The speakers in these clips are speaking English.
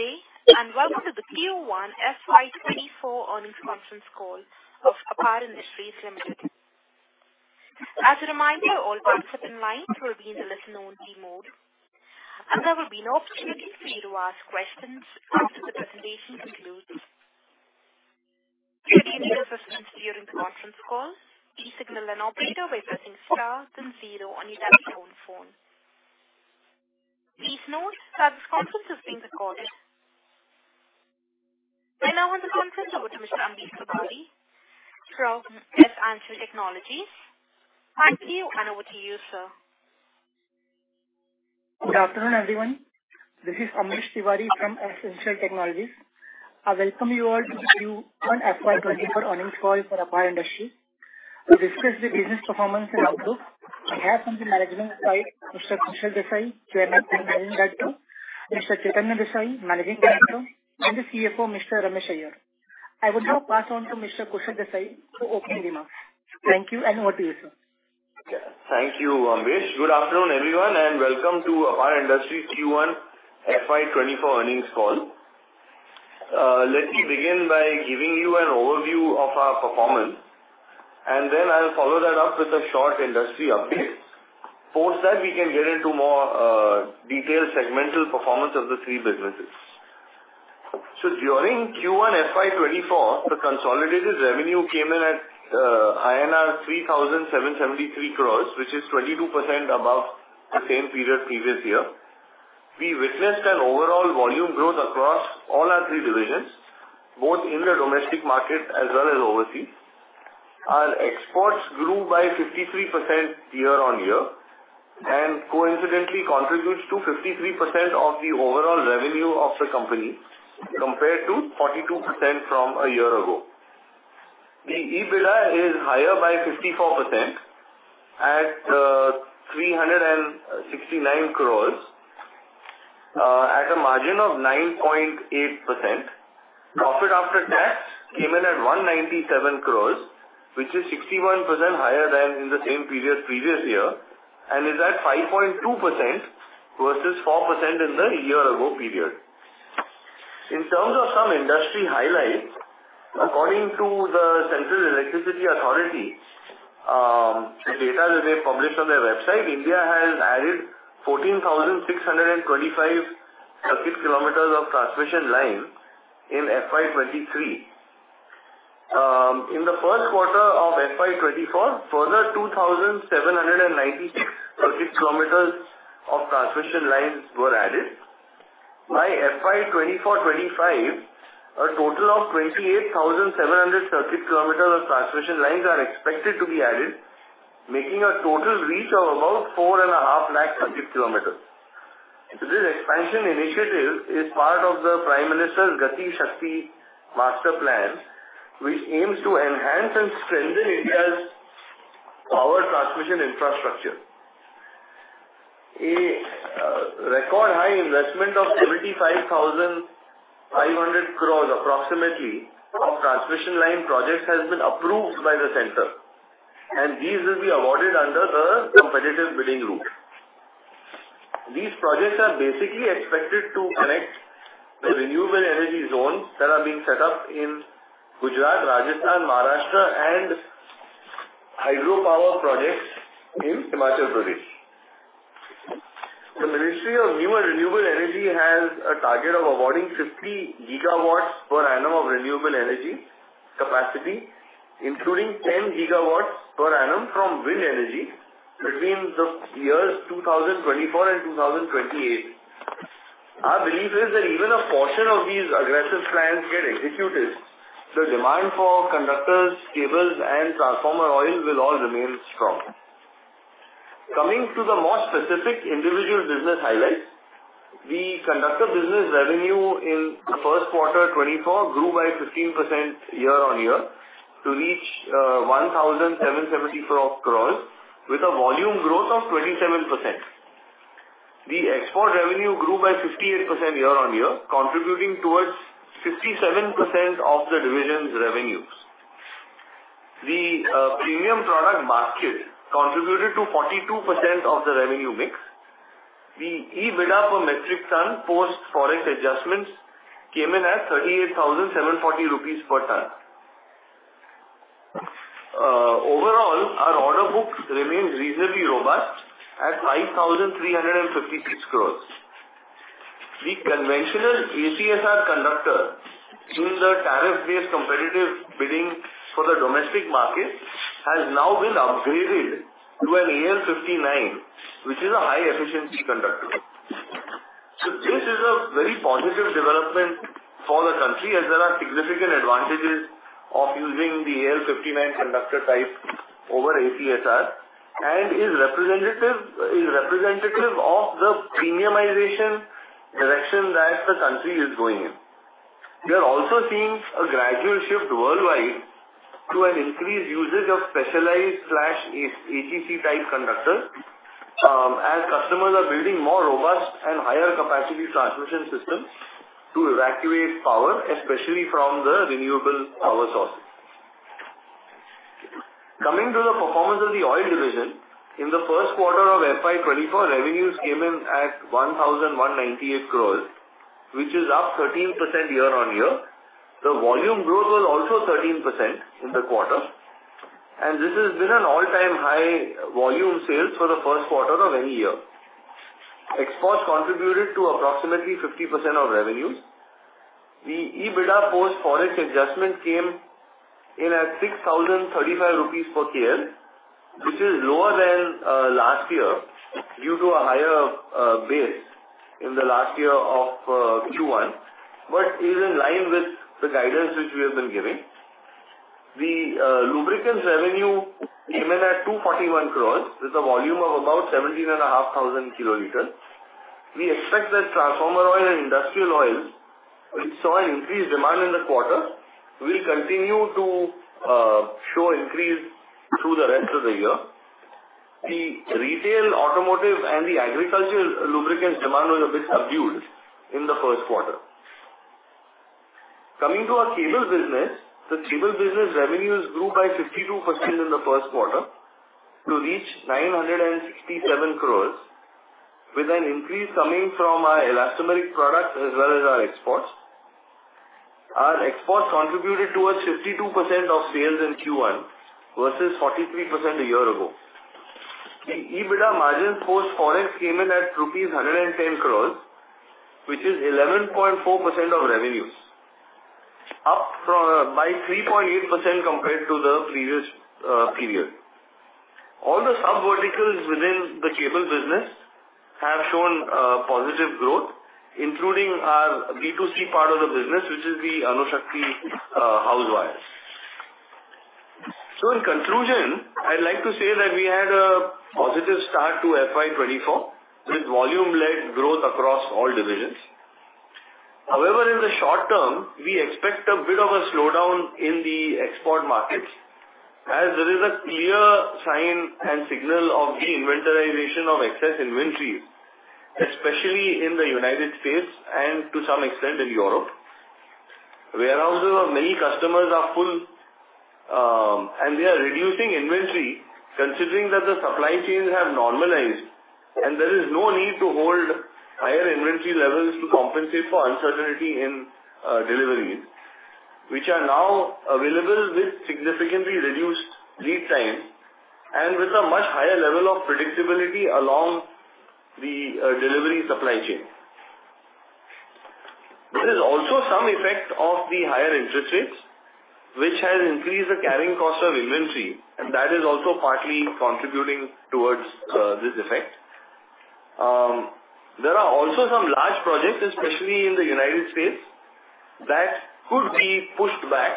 Good day. Welcome to the Q1 FY 2024 earnings conference call of APAR Industries Limited. As a reminder, all participants in line will be in the listen-only mode. There will be an opportunity for you to ask questions after the presentation concludes. If you need assistance during the conference call, please signal an operator by pressing star then 0 on your telephone phone. Please note that this conference is being recorded. I now hand the conference over to Mr. Ambesh Tiwari from S-Ancial Technologies. Thank you. Over to you, sir. Good afternoon, everyone. This is Ambesh Tiwari from S-Ancial Technologies. I welcome you all to Q1 FY 2024 earnings call for APAR Industries. To discuss the business performance and outlook, we have from the management side, Mr. Kushal Desai, Chairman and Managing Director; Mr. Chaitanya Desai, Managing Director; and the CFO, Mr. Ramesh Iyer. I would now pass on to Mr. Kushal Desai for opening remarks. Thank you, and over to you, sir. Okay. Thank you, Ambesh. Good afternoon, everyone, and welcome to APAR Industries Q1 FY 2024 earnings call. Let me begin by giving you an overview of our performance, and then I'll follow that up with a short industry update. Post that, we can get into more detailed segmental performance of the three businesses. During Q1 FY 2024, the consolidated revenue came in at INR 3,773 crore, which is 22% above the same period previous year. We witnessed an overall volume growth across all our three divisions, both in the domestic market as well as overseas. Our exports grew by 53% year-on-year, and coincidentally contributes to 53% of the overall revenue of the company, compared to 42% from a year ago. The EBITDA is higher by 54% at 369 crore at a margin of 9.8%. Profit after tax came in at 197 crore, which is 61% higher than in the same period previous year, and is at 5.2% versus 4% in the year-ago period. In terms of some industry highlights, according to the Central Electricity Authority, the data that they published on their website, India has added 14,625 circuit kilometers of transmission lines in FY 2023. In the first quarter of FY 2024, further 2,796 circuit kilometers of transmission lines were added. By FY 2024, 2025, a total of 28,700 circuit kilometers of transmission lines are expected to be added, making a total reach of about 4.5 lakh circuit kilometers. This expansion initiative is part of the Prime Minister's Gati Shakti Master Plan, which aims to enhance and strengthen India's power transmission infrastructure. A record high investment of 75,500 crore, approximately, of transmission line projects has been approved by the Center. These will be awarded under the competitive bidding route. These projects are basically expected to connect the renewable energy zones that are being set up in Gujarat, Rajasthan, Maharashtra, and hydropower projects in Himachal Pradesh. The Ministry of New and Renewable Energy has a target of awarding 50 GW per annum of renewable energy capacity, including 10 GW per annum from wind energy between the years 2024 and 2028. Our belief is that even a portion of these aggressive plans get executed, the demand for conductors, cables, and transformer oil will all remain strong. Coming to the more specific individual business highlights, the conductor business revenue in the first quarter 2024 grew by 15% year-on-year to reach 1,774 crore with a volume growth of 27%. The export revenue grew by 58% year-on-year, contributing towards 57% of the division's revenues. The premium product market contributed to 42% of the revenue mix. The EBITDA per metric ton, post foreign adjustments, came in at 38,740 rupees per ton. Overall, our order books remain reasonably robust at 5,356 crore. The conventional ACSR conductor in the tariff-based competitive bidding for the domestic market has now been upgraded to an AL-59, which is a high-efficiency conductor. This is a very positive development for the country, as there are significant advantages of using the AL-59 conductor type over ACSR, and is representative, is representative of the premiumization direction that the country is going in. We are also seeing a gradual shift worldwide to an increased usage of specialized/ACCC type conductors, as customers are building more robust and higher capacity transmission systems to evacuate power, especially from the renewable power sources. Coming to the performance of the oil division, in the first quarter of FY 2024, revenues came in at 1,198 crore, which is up 13% year-on-year. The volume growth was also 13% in the quarter, and this has been an all-time high volume sales for the first quarter of any year. Exports contributed to approximately 50% of revenues. The EBITDA post forex adjustment came in at 6,035 rupees per kl, which is lower than last year due to a higher base in the last year of Q1, but is in line with the guidance which we have been giving. The lubricants revenue came in at 241 crore, with a volume of about 17,500 kiloliters. We expect that transformer oil and industrial oils, which saw an increased demand in the quarter, will continue to show increase through the rest of the year. The retail, automotive, and the agricultural lubricants demand was a bit subdued in the first quarter. Coming to our cables business. The cable business revenues grew by 52% in Q1 to reach 967 crore, with an increase coming from our elastomeric products as well as our exports. Our exports contributed towards 52% of sales in Q1 versus 43% a year ago. The EBITDA margin post forex came in at rupees 110 crore, which is 11.4% of revenues, up from, by 3.8% compared to the previous period. All the sub verticals within the cable business have shown positive growth, including our B2C part of the business, which is the Anushakti house wires. In conclusion, I'd like to say that we had a positive start to FY 2024, with volume-led growth across all divisions. However, in the short term, we expect a bit of a slowdown in the export markets as there is a clear sign and signal of de-inventorization of excess inventory, especially in the United States and to some extent in Europe. Warehouses of many customers are full, and they are reducing inventory, considering that the supply chains have normalized and there is no need to hold higher inventory levels to compensate for uncertainty in deliveries, which are now available with significantly reduced lead time and with a much higher level of predictability along the delivery supply chain. There is also some effect of the higher interest rates, which has increased the carrying cost of inventory, and that is also partly contributing towards this effect. There are also some large projects, especially in the United States, that could be pushed back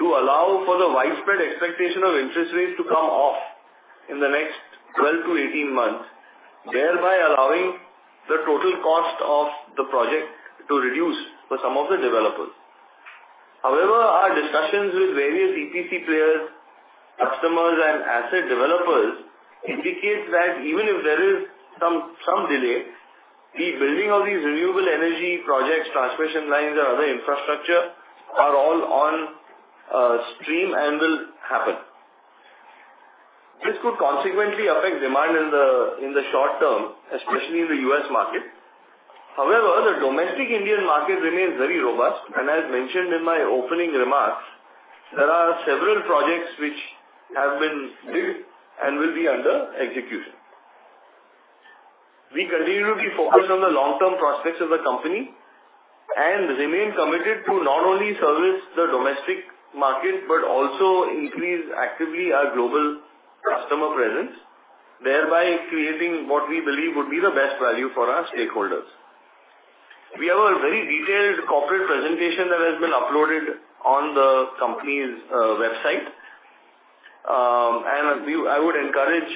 to allow for the widespread expectation of interest rates to come off in the next 12-18 months, thereby allowing the total cost of the project to reduce for some of the developers. However, our discussions with various EPC players, customers, and asset developers indicates that even if there is some, some delays, the building of these renewable energy projects, transmission lines and other infrastructure are all on stream and will happen. This could consequently affect demand in the, in the short term, especially in the U.S. market. However, the domestic Indian market remains very robust, and as mentioned in my opening remarks, there are several projects which have been bid and will be under execution. We continue to be focused on the long-term prospects of the company and remain committed to not only service the domestic market, but also increase actively our global customer presence, thereby creating what we believe would be the best value for our stakeholders. We have a very detailed corporate presentation that has been uploaded on the company's website. I would encourage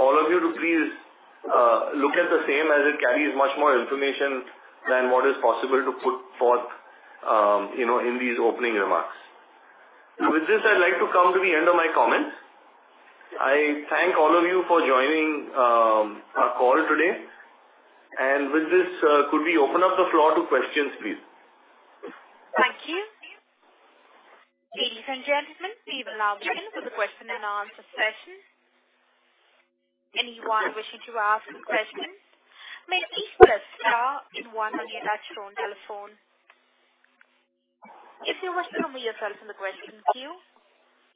all of you to please look at the same as it carries much more information than what is possible to put forth, you know, in these opening remarks. With this, I'd like to come to the end of my comments. I thank all of you for joining our call today. With this, could we open up the floor to questions, please? Thank you. Ladies and gentlemen, we will now begin with the question and answer session. Anyone wishing to ask a question, may please press star one on your touchtone telephone. If you wish to remove yourself from the question queue,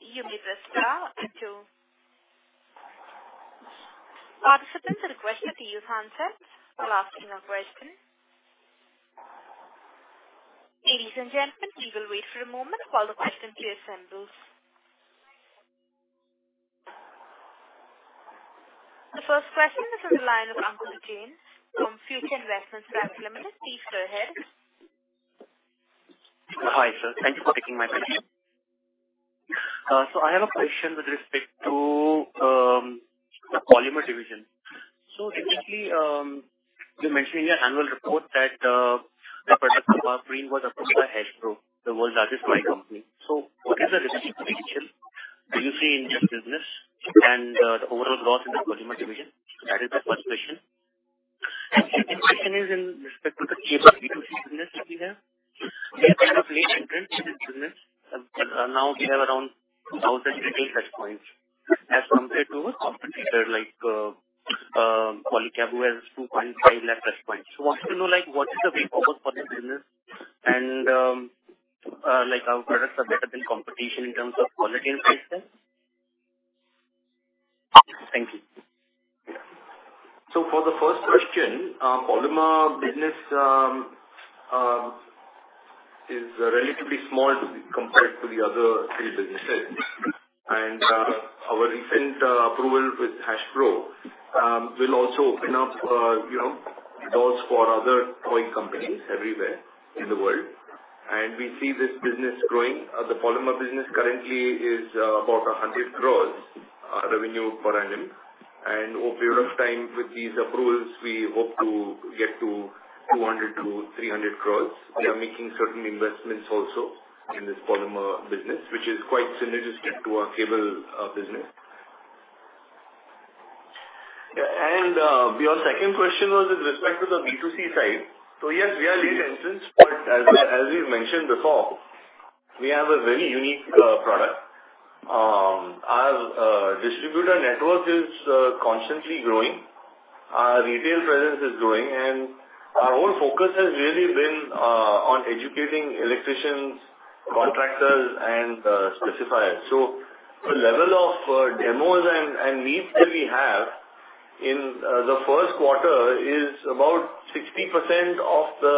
you may press star two. Participants are requested to use handsets for asking a question. Ladies and gentlemen, we will wait for a moment while the question queue assembles. The first question is from the line of Ankur Jain from Future Investments Private Limited. Please go ahead. Hi, sir. Thank you for taking my question. I have a question with respect to the polymer division. Recently, you mentioned in your annual report that the product APARPRENE was approved by Hasbro, the world's largest mining company. What is the recent prediction do you see in this business and the overall loss in the polymer division? That is the first question. My question is in respect to the B2C business that we have. We have kind of late entrance in this business, but now we have around 2,000 retail touchpoints as compared to a competitor like Polycab, who has 2.5 lakh touchpoints. I want to know, like, what is the way forward for this business, and, like, our products are better than competition in terms of quality and prices? Thank you. For the first question, polymer business is relatively small compared to the other three businesses. Our recent approval with Hasbro will also open up, you know, doors for other toy companies everywhere in the world, and we see this business growing. The polymer business currently is about 100 crore revenue per annum, and over a period of time, with these approvals, we hope to get to 200 crore-300 crore. We are making certain investments also in this polymer business, which is quite synergistic to our cable business. Your second question was with respect to the B2C side. Yes, we are late entrants, but as, as we've mentioned before, we have a very unique product. Our distributor network is constantly growing. Our retail presence is growing, and our whole focus has really been on educating electricians, contractors, and specifiers. So the level of demos and needs that we have in the first quarter is about 60% of the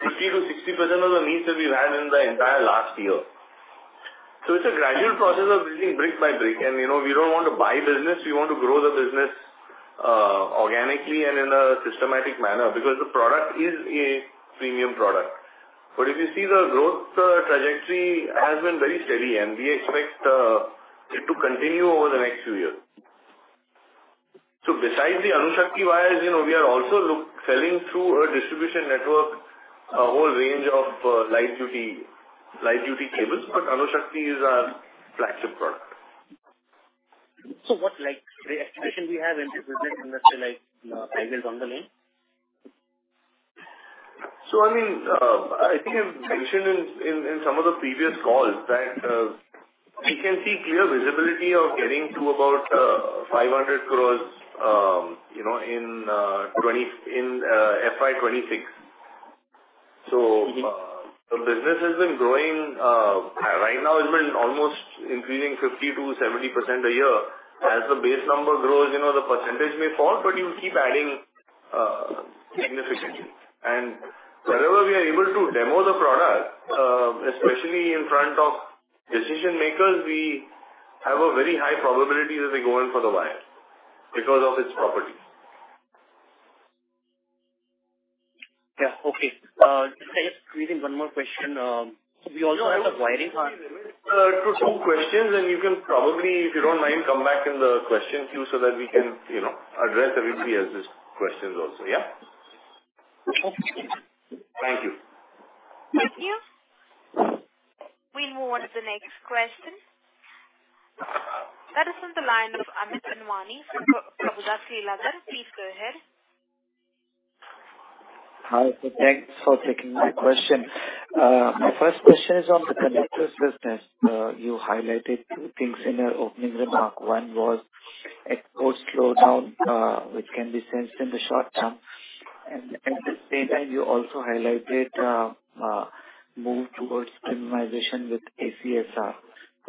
50%-60% of the needs that we've had in the entire last year. So it's a gradual process of building brick by brick. And, you know, we don't want to buy business. We want to grow the business organically and in a systematic manner, because the product is a premium product. But if you see the growth trajectory has been very steady, and we expect it to continue over the next few years. Besides the Anushakti wires, you know, we are also selling through a distribution network, a whole range of, light duty, light duty cables, but Anushakti is our flagship product. What, like, the expectation we have in this business in the, like, time is on the line? I mean, I think I've mentioned in, in, in some of the previous calls that, we can see clear visibility of getting to about 500 crore, you know, in, in FY 2026. The business has been growing, right now it's been almost increasing 50%-70% a year. As the base number grows, you know, the percentage may fall, but you keep adding significantly. Yeah. Wherever we are able to demo the product, especially in front of decision-makers, we have a very high probability that they go in for the wire because of its properties. Yeah. Okay. Just creating one more question. We also have a wiring part. Two questions. You can probably, if you don't mind, come back in the question queue so that we can, you know, address everybody else's questions also. Yeah. Okay. Thank you. Thank you. We move on to the next question. That is on the line of Amit Anwani from Prabhudas Lilladher. Please go ahead. Hi, thanks for taking my question. My first question is on the conductors business. You highlighted two things in your opening remark. One was export slowdown, which can be sensed in the short term, and at the same time, you also highlighted move towards minimization with ACSR.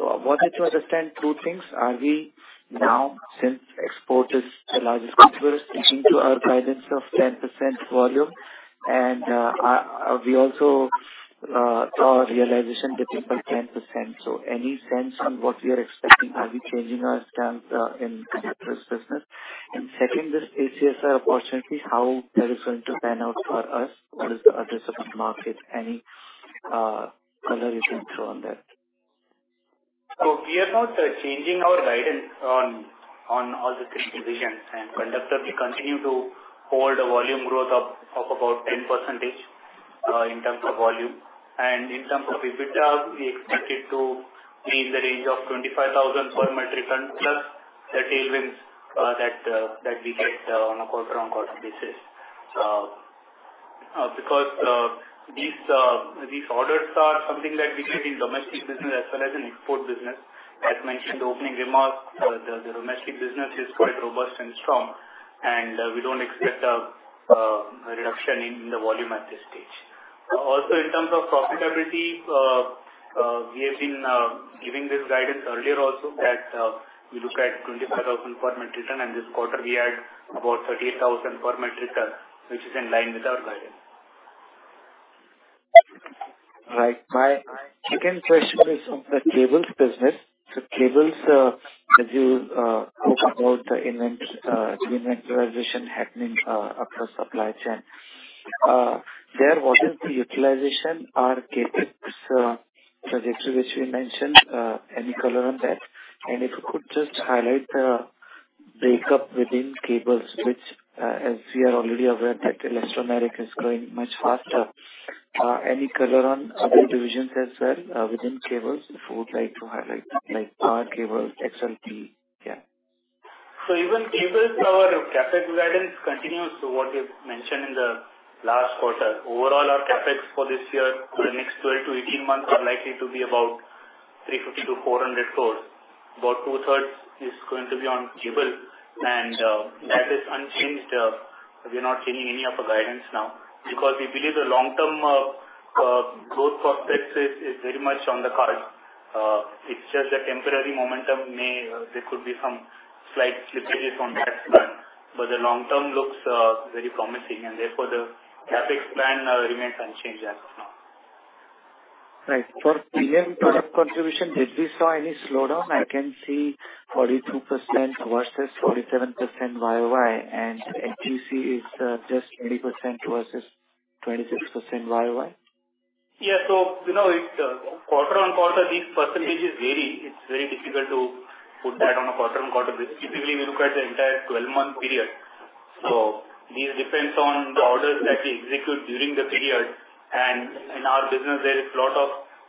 I wanted to understand two things. Are we now, since export is the largest contributor, sticking to our guidance of 10% volume? We also saw realization dipping by 10%. Any sense on what we are expecting? Are we changing our stance in conductors business? Second, this ACSR opportunity, how that is going to pan out for us? What is the addressable market? Any color you can throw on that? We are not changing our guidance on, on all the three divisions. Conductor, we continue to hold a volume growth of, of about 10% in terms of volume. In terms of EBITDA, we expect it to be in the range of 25,000 per metric ton, plus the tailwinds that we get on a quarter-on-quarter basis. Because these orders are something that we get in domestic business as well as in export business. As mentioned in the opening remarks, the domestic business is quite robust and strong, and we don't expect a reduction in the volume at this stage. Also, in terms of profitability, we have been giving this guidance earlier also, that, we look at 25,000 per metric ton, and this quarter we had about 38,000 per metric ton, which is in line with our guidance. Right. My second question is on the cables business. So cables, as you talk about de-inventorization happening across supply chain, there, what is the utilization or CapEx trajectory, which we mentioned, any color on that? If you could just highlight the break up within cables, which, as we are already aware, that elastomeric is growing much faster. Any color on other divisions as well, within cables, if you would like to highlight, like power cable, XLPE? Yeah. Even cables, our CapEx guidance continues to what we've mentioned in the last quarter. Overall, our CapEx for this year, for the next 12-18 months, are likely to be about 350 crore-400 crore. About two-thirds is going to be on cable, and that is unchanged. We're not changing any of the guidance now, because we believe the long-term growth prospects is very much on the card. It's just a temporary momentum may, there could be some slight slippages on that front, but the long term looks very promising, and therefore, the CapEx plan remains unchanged as of now. Right. For premium product contribution, did we saw any slowdown? I can see 42% versus 47% YoY, and HEC is just 20% versus 26% YoY. Yeah. You know, it, quarter on quarter, these percentages vary. It's very difficult to put that on a quarter on quarter basis. Typically, we look at the entire 12-month period. This depends on the orders that we execute during the period, and in our business, there is a lot of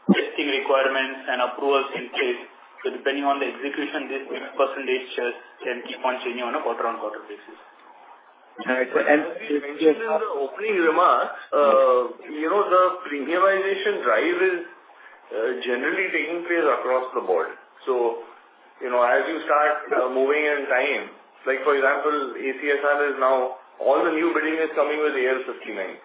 testing requirements and approvals in place. Depending on the execution, this percentage shares can keep on changing on a quarter on quarter basis. All right. As we mentioned in the opening remarks, you know, the premiumization drive is generally taking place across the board. You know, as you start moving in time, like, for example, ACSR is now all the new building is coming with AL-59.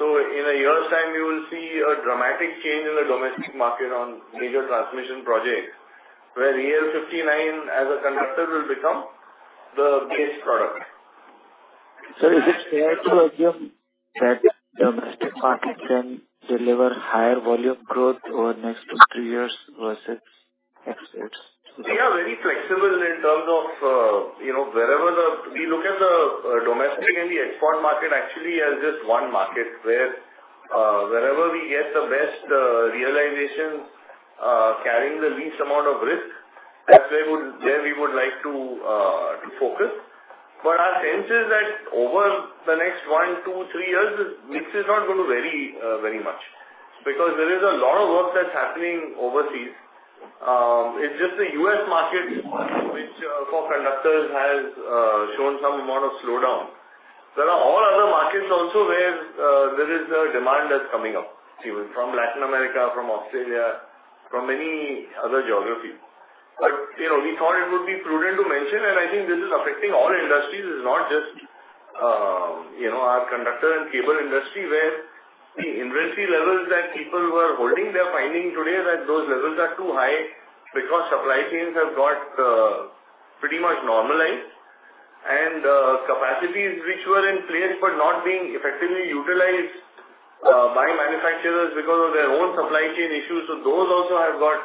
In a year's time, you will see a dramatic change in the domestic market on major transmission projects, where AL-59 as a conductor will become the base product. Is it fair to assume that domestic market can deliver higher volume growth over the next two, three years versus exports? We are very flexible in terms of, you know, We look at the domestic and the export market actually as just one market, where wherever we get the best realization, carrying the least amount of risk, that's there we would like to focus. Our sense is that over the next one to two, three years, this mix is not going to vary very much, because there is a lot of work that's happening overseas. It's just the U.S. market, which for conductors has shown some amount of slowdown. There are all other markets also where there is a demand that's coming up, even from Latin America, from Australia, from many other geographies. You know, we thought it would be prudent to mention, and I think this is affecting all industries. It's not just, you know, our conductor and cable industry, where the inventory levels that people were holding, they're finding today that those levels are too high because supply chains have got pretty much normalized. Capacities which were in place but not being effectively utilized by manufacturers because of their own supply chain issues, so those also have got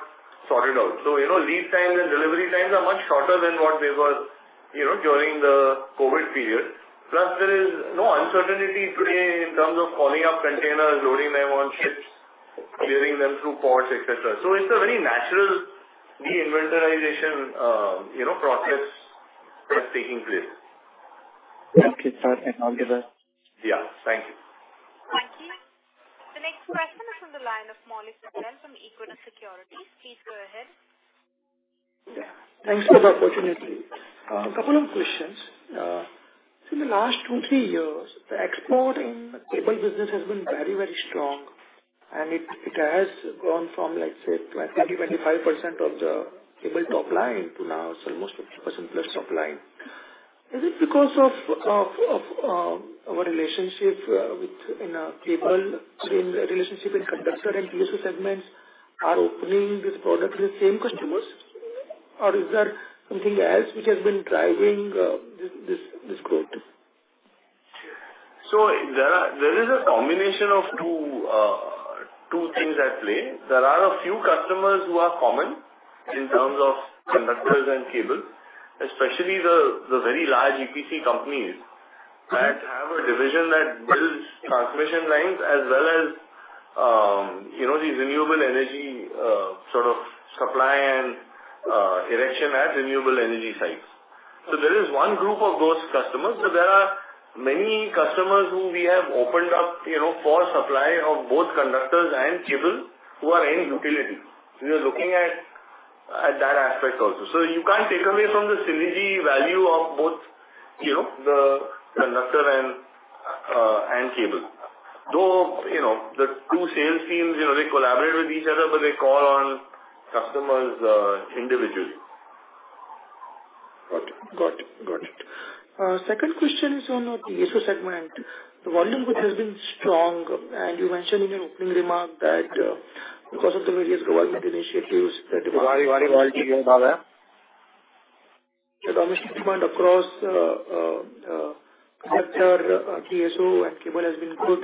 sorted out. You know, lead times and delivery times are much shorter than what they were, you know, during the COVID period. Plus, there is no uncertainty today in terms of calling up containers, loading them on ships, clearing them through ports, et cetera. It's a very natural de-inventorization, you know, process that's taking place. Okay, perfect. I'll give. Yeah. Thank you. Thank you. The next question is from the line of Maulik Patel from Equirus Securities. Please go ahead. Yeah. Thanks for the opportunity. A couple of questions. In the last two, three years, the export in the cable business has been very, very strong, and it, it has grown from, let's say, 20%-25% of the cable top line to now it's almost 50%+ top line. Is it because of, of, of, our relationship, with, in, cable, in relationship with Conductor and TSO segments are opening this product to the same customers, or is there something else which has been driving, this, this, this growth? There is a combination of two, two things at play. There are a few customers who are common in terms of conductors and cable, especially the, the very large EPC companies that have a division that builds transmission lines as well as, you know, these renewable energy, sort of supply and erection at renewable energy sites. There is one group of those customers, so there are many customers who we have opened up, you know, for supply of both conductors and cable, who are in utility. We are looking at, at that aspect also. You can't take away from the synergy value of both, you know, the conductor and cable. Though, you know, the two sales teams, you know, they collaborate with each other, but they call on customers individually. Got it. Got it. Got it. Second question is on the TSO segment. The volume growth has been strong, and you mentioned in your opening remark that, because of the various government initiatives, the demand, the domestic demand across TSO and cable has been good.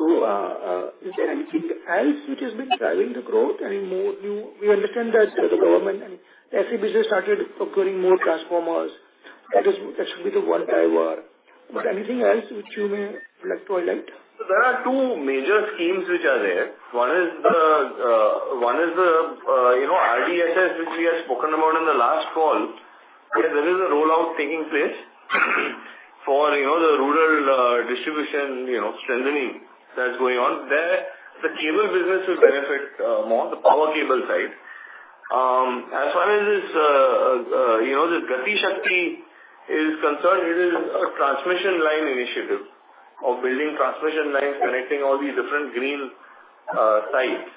Is there anything else which has been driving the growth, any more new? We understand that the government and SEB started procuring more transformers. That is, that should be the one driver. Anything else which you may like to highlight? There are two major schemes which are there. One is the, you know, RDSS, which we had spoken about in the last call. Yes, there is a rollout taking place for, you know, the rural, distribution, you know, strengthening that's going on. There, the cable business will benefit, more, the power cable side. As far as this, you know, Gati Shakti is concerned, it is a transmission line initiative of building transmission lines, connecting all these different green, sites.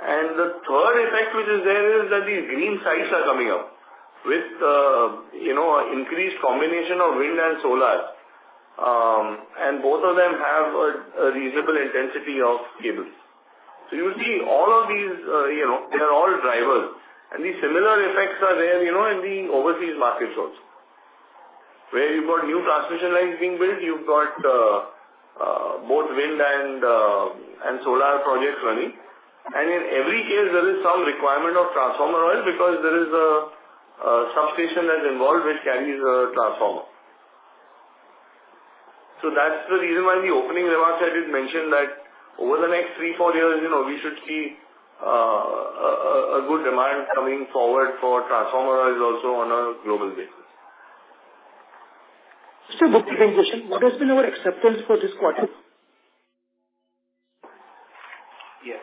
The third effect, which is there, is that these green sites are coming up with, you know, increased combination of wind and solar, and both of them have a, a reasonable intensity of cables. You see all of these, you know, they are all drivers, and these similar effects are there, you know, in the overseas markets also. Where you've got new transmission lines being built, you've got, both wind and solar projects running. In every case, there is some requirement of transformer oil, because there is a substation that's involved, which carries a transformer. That's the reason why in the opening remarks, I did mention that over the next three, four years, you know, we should see a good demand coming forward for transformer oil also on a global basis. Just a bookkeeping question, what has been our acceptance for this quarter? Yeah.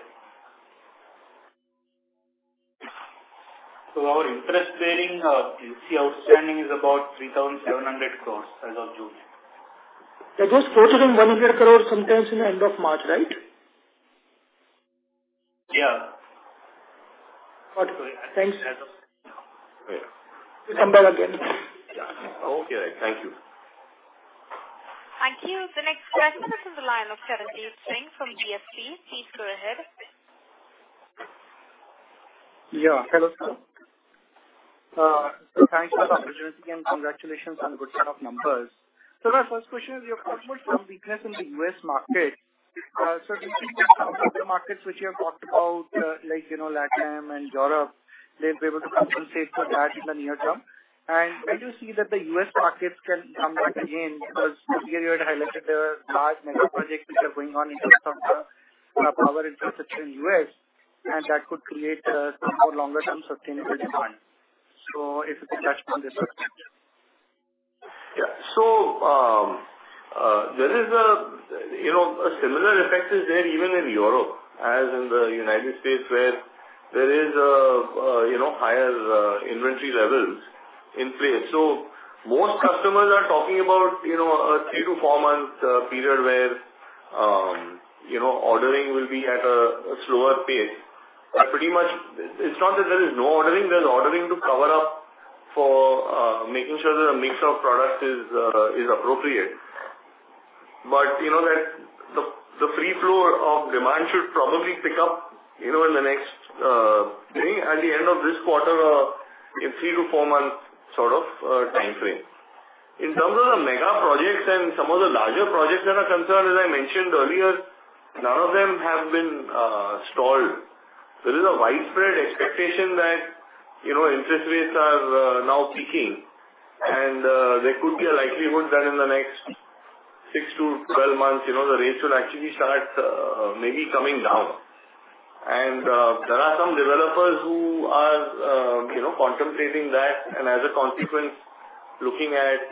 Our interest bearing LC, outstanding is about 3,700 crore as of June. That was quoted in 100 crore, sometimes in the end of March, right? Yeah. Got you. Thanks. Yeah. We come back again. Yeah. Okay, thank you. Thank you. The next question is in the line of Charanjit Singh from DSP. Please go ahead. Yeah. Hello, sir. Thanks for the opportunity, and congratulations on the good set of numbers. My first question is, you've talked about some weakness in the U.S. market. Can you the markets which you have talked about, like, you know, Latin and Europe, they'll be able to compensate for that in the near term? Where do you see that the U.S. market can come back again, because earlier you had highlighted the large mega projects which are going on in terms of the power infrastructure in U.S., and that could create some more longer-term sustainable demand. If you could touch upon this. Yeah. There is a, you know, a similar effect is there even in Europe, as in the United States, where there is a, a, you know, higher inventory levels in place. Most customers are talking about, you know, a three-four months period where, you know, ordering will be at a, a slower pace. Pretty much, it's not that there is no ordering. There's ordering to cover up for making sure that the mix of products is appropriate. You know that the free flow of demand should probably pick up, you know, in the next, say, at the end of this quarter, in three-four months sort of time frame. In terms of the mega projects and some of the larger projects that are concerned, as I mentioned earlier, none of them have been stalled. There is a widespread expectation that, you know, interest rates are now peaking, and there could be a likelihood that in the next six-12 months, you know, the rates will actually start maybe coming down. There are some developers who are, you know, contemplating that, and as a consequence, looking at,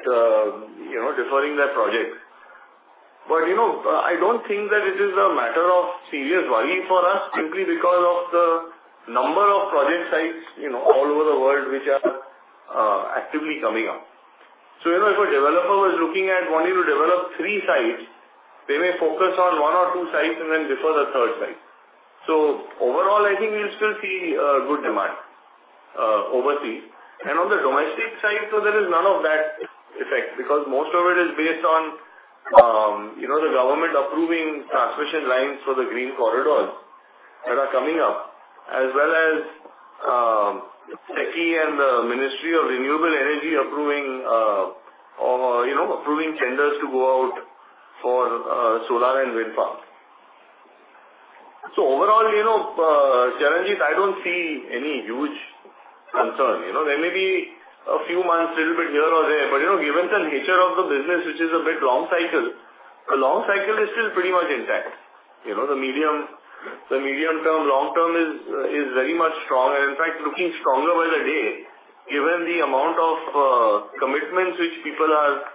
you know, deferring their projects. You know, I don't think that it is a matter of serious worry for us, simply because of the number of project sites, you know, all over the world, which are actively coming up. You know, if a developer was looking at wanting to develop three sites, they may focus on one or two sites and then defer the third site. Overall, I think we'll still see a good demand overseas. On the domestic side, there is none of that effect, because most of it is based on, you know, the government approving transmission lines for the green corridors that are coming up, as well as SECI and the Ministry of Renewable Energy approving, or, you know, approving tenders to go out for solar and wind farms. Overall, you know, Charanjit, I don't see any huge concern. You know, there may be a few months, a little bit here or there, but, you know, given the nature of the business, which is a bit long cycle, the long cycle is still pretty much intact. You know, the medium, the medium-term, long term is, is very much strong. In fact, looking stronger by the day, given the amount of commitments which people are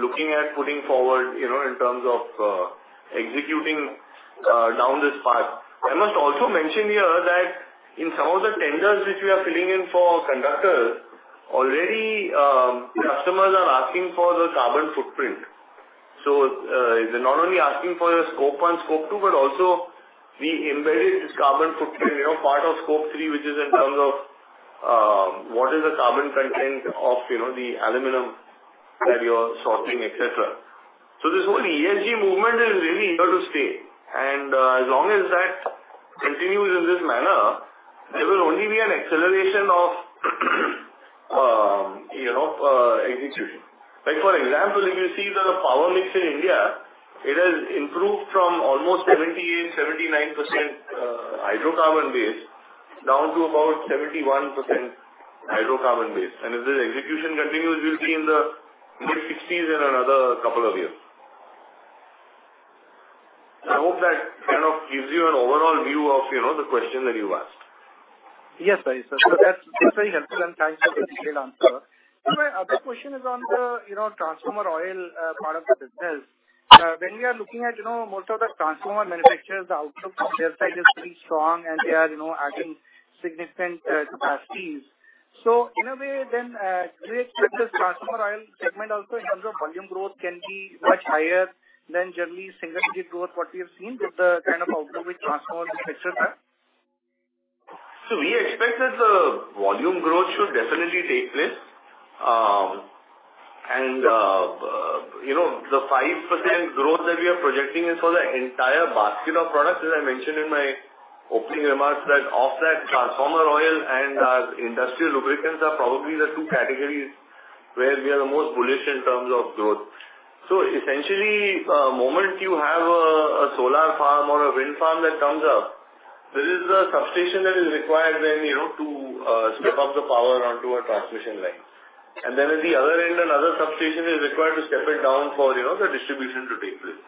looking at putting forward, you know, in terms of executing down this path. I must also mention here that in some of the tenders which we are filling in for conductors, already, customers are asking for the carbon footprint. They're not only asking for the Scope 1, Scope 2, but also we embedded this carbon footprint, you know, part of Scope 3, which is in terms of what is the carbon content of, you know, the aluminum that you're sourcing, et cetera. This whole ESG movement is really here to stay, and as long as that continues in this manner, there will only be an acceleration of, you know, execution. Like, for example, if you see that the power mix in India, it has improved from almost 78%-79% hydrocarbon-based down to about 71% hydrocarbon-based, and as the execution continues, we'll be in the mid-60s in another couple of years. I hope that kind of gives you an overall view of, you know, the question that you asked. Yes, sir. That's, that's very helpful, and thanks for the detailed answer. Sir, my other question is on the, you know, transformer oil part of the business. When we are looking at, you know, most of the transformer manufacturers, the outlook from their side is pretty strong, and they are, you know, adding significant capacities. In a way, then, create this transformer oil segment also in terms of volume growth can be much higher than generally single-digit growth, what we have seen with the kind of outlook with transformer manufacturers have? We expect that the volume growth should definitely take place. You know, the 5% growth that we are projecting is for the entire basket of products, as I mentioned in my opening remarks, that of that transformer oil and industrial lubricants are probably the two categories where we are the most bullish in terms of growth. Essentially, moment you have a, a solar farm or a wind farm that comes up, there is a substation that is required then, you know, to step up the power onto a transmission line. At the other end, another substation is required to step it down for, you know, the distribution to take place.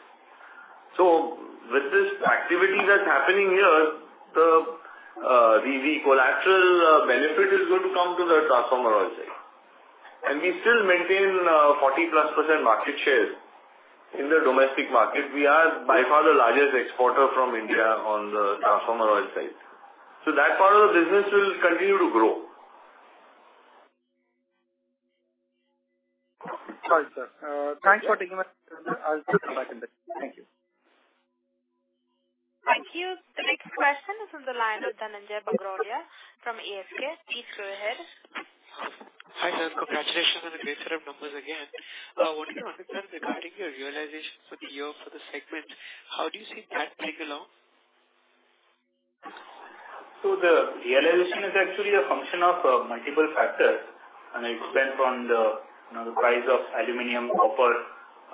With this activity that's happening here, the, the, the collateral benefit is going to come to the transformer oil side. We still maintain 40%+ market shares in the domestic market. We are by far the largest exporter from India on the transformer oil side. That part of the business will continue to grow. Sorry, sir. Thanks for taking my call. I'll come back in touch. Thank you. Thank you. The next question is from the line of Dhananjai Bagrodia from ASK. Please go ahead. Hi, sir. Congratulations on the great set of numbers again. What do you understand regarding your realization for the year for the segment? How do you see that playing along? The realization is actually a function of multiple factors, and it depends on the, you know, the price of aluminum, copper.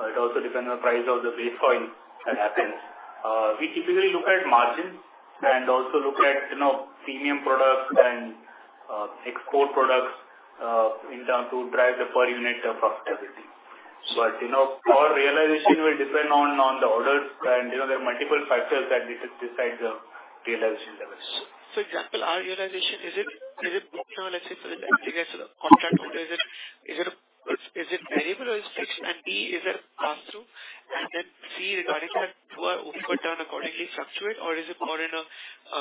It also depends on the price of the base oil that happens. We typically look at margins and also look at, you know, premium products and export products in terms to drive the per unit of profitability. You know, our realization will depend on, on the orders, and, you know, there are multiple factors that we take decide the realization levels. Example, our realization, is it, is it, let's say, for the contract, is it, is it A, is it variable or fixed, and B, is it pass-through? C, regarding that, do our OP return accordingly fluctuate, or is it more in a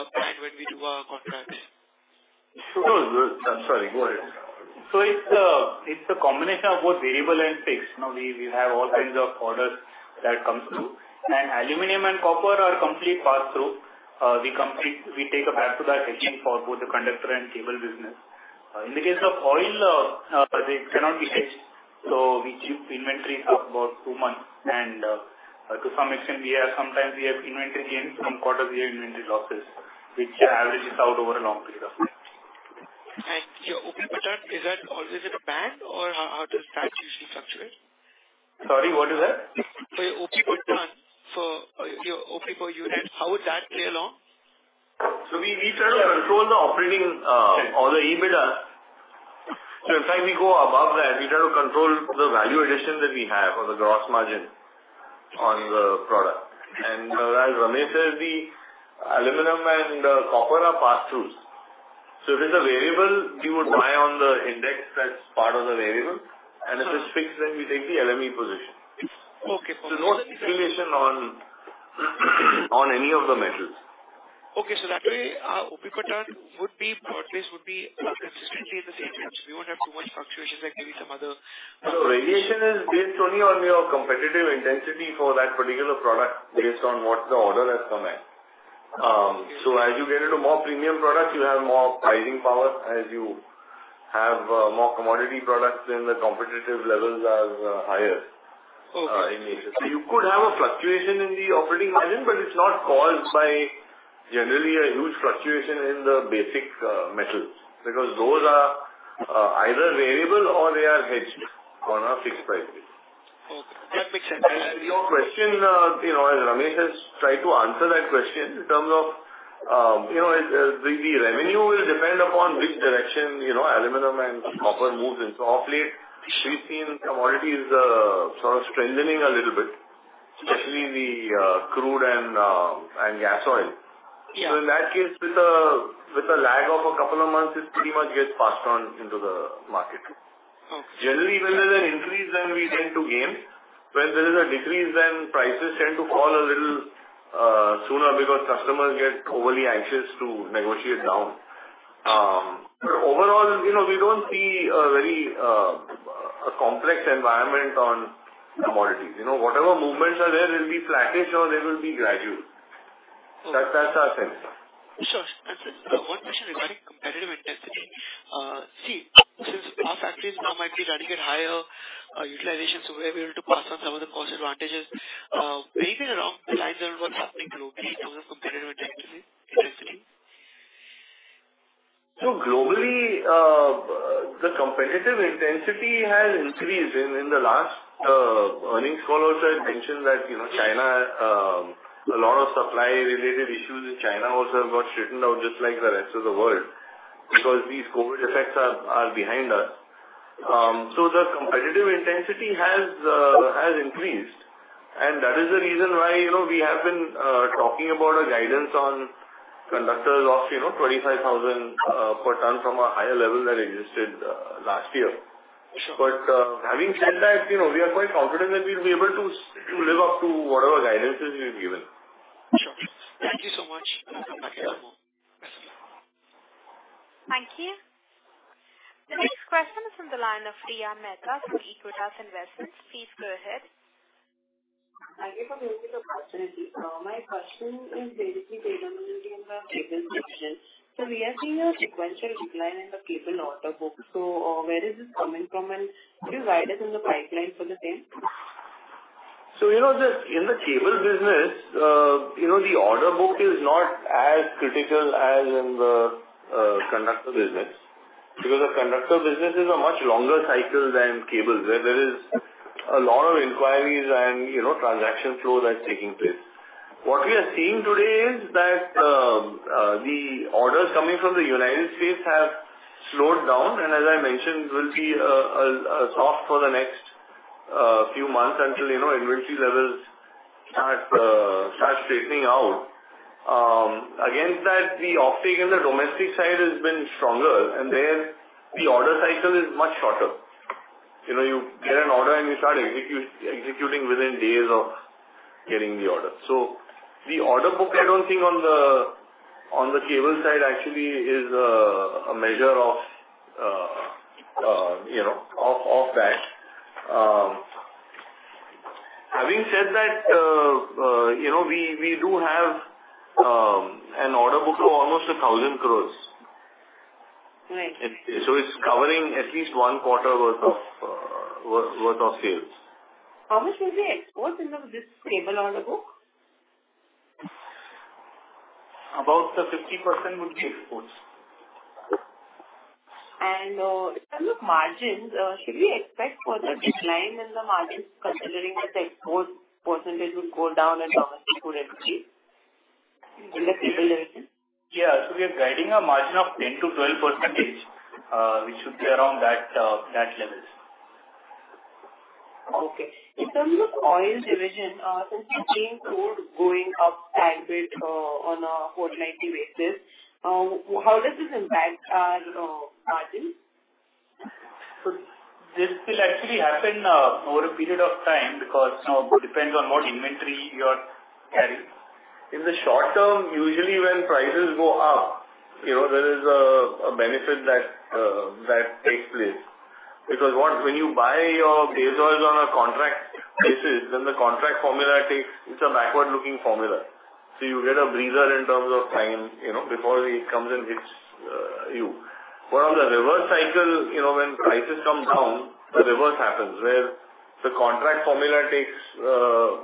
plan when we do our contracts? I'm sorry, go ahead. It's a combination of both variable and fixed. You know, we, we have all kinds of orders that comes through, and aluminum and copper are completely passed through. We take a back-to-back hedging for both the conductor and cable business. In the case of oil, it cannot be hedged, so we keep inventories of about two months. To some extent, we have sometimes we have inventory gains, some quarters we have inventory losses, which averages out over a long period of time. Your OP return, is that always in a bank, or how does that usually fluctuate? Sorry, what is that? For your OP return, for your OP per unit, how would that play along? We, we try to control the operating, or the EBITDA. In fact, we go above that, we try to control the value addition that we have or the gross margin on the product. As Ramesh said, the aluminum and copper are pass-throughs. If it's a variable, we would buy on the index that's part of the variable, and if it's fixed, then we take the LME position. Okay, cool. No speculation on any of the metals. Okay, so that way, our OP return would be, more or less, would be, consistently the same. We won't have too much fluctuations like maybe some other- Radiation is based only on your competitive intensity for that particular product, based on what the order has come in. As you get into more premium products, you have more pricing power. As you have more commodity products, then the competitive levels are higher. Okay. in nature. You could have a fluctuation in the operating margin, but it's not caused by generally a huge fluctuation in the basic metals, because those are either variable or they are hedged on a fixed price. Okay, that makes sense. Your question, you know, as Ramesh has tried to answer that question in terms of, you know, the revenue will depend upon which direction, you know, aluminum and copper moves in. Of late, we've seen commodities sort of strengthening a little bit, especially the crude and gas oil. Yeah. In that case, with a lag of two months, it pretty much gets passed on into the market. Okay. Generally, when there's an increase, then we tend to gain. When there is a decrease, then prices tend to fall a little sooner because customers get overly anxious to negotiate down. Overall, you know, we don't see a very a complex environment on commodities. You know, whatever movements are there, they'll be sluggish or they will be gradual. That, that's our sense. Sure. One question regarding competitive intensity. See, since our factories now might be running at higher utilization, so we're able to pass on some of the cost advantages, maybe around the lines that were happening globally in terms of competitive intensity, intensity. Globally, the competitive intensity has increased. In the last earnings call also, I mentioned that, you know, China, a lot of supply related issues in China also have got straightened out just like the rest of the world, because these COVID effects are behind us. The competitive intensity has increased, that is the reason why, you know, we have been talking about a guidance on conductors of, you know, 25,000 per ton from a higher level that existed last year. Sure. Having said that, you know, we are quite confident that we'll be able to, to live up to whatever guidances we've given. Sure. Thank you so much. Thank you. The next question is from the line of Riya Mehta from Aequitas Investments. Please go ahead. Thank you for the opportunity. My question is basically predominantly in the cable division. We are seeing a sequential decline in the cable order book. Where is this coming from, and could you guide us in the pipeline for the same? You know, the, in the cable business, you know, the order book is not as critical as in the conductor business. Because the conductor business is a much longer cycle than cables, where there is a lot of inquiries and, you know, transaction flow that's taking place. What we are seeing today is that the orders coming from the United States have slowed down, and as I mentioned, will be a soft for the next few months until, you know, inventory levels start straightening out. Against that, the offtake in the domestic side has been stronger, and there the order cycle is much shorter. You know, you get an order and you start executing within days of getting the order. The order book, I don't think on the, on the cable side actually is a measure of, you know, of that. Having said that, you know, we do have an order book of almost 1,000 crore. Right. It's covering at least one quarter worth of, worth, worth of sales. How much is the exports in the this cable order book? About the 50% would be exports. In terms of margins, should we expect further decline in the margins, considering that the export % would go down and domestic would increase in the cable division? Yeah. We are guiding a margin of 10%-12%, which should be around that, that levels. Okay. In terms of oil division, since green crude going up a bit, on a quarterly basis, how does this impact our margins? This will actually happen, over a period of time, because, you know, it depends on what inventory you are carrying. In the short term, usually when prices go up, you know, there is a benefit that takes place. What? When you buy your base oil on a contract basis, then the contract formula takes, it's a backward-looking formula. You get a breather in terms of time, you know, before it comes and hits you. On the reverse cycle, you know, when prices come down, the reverse happens, where the contract formula takes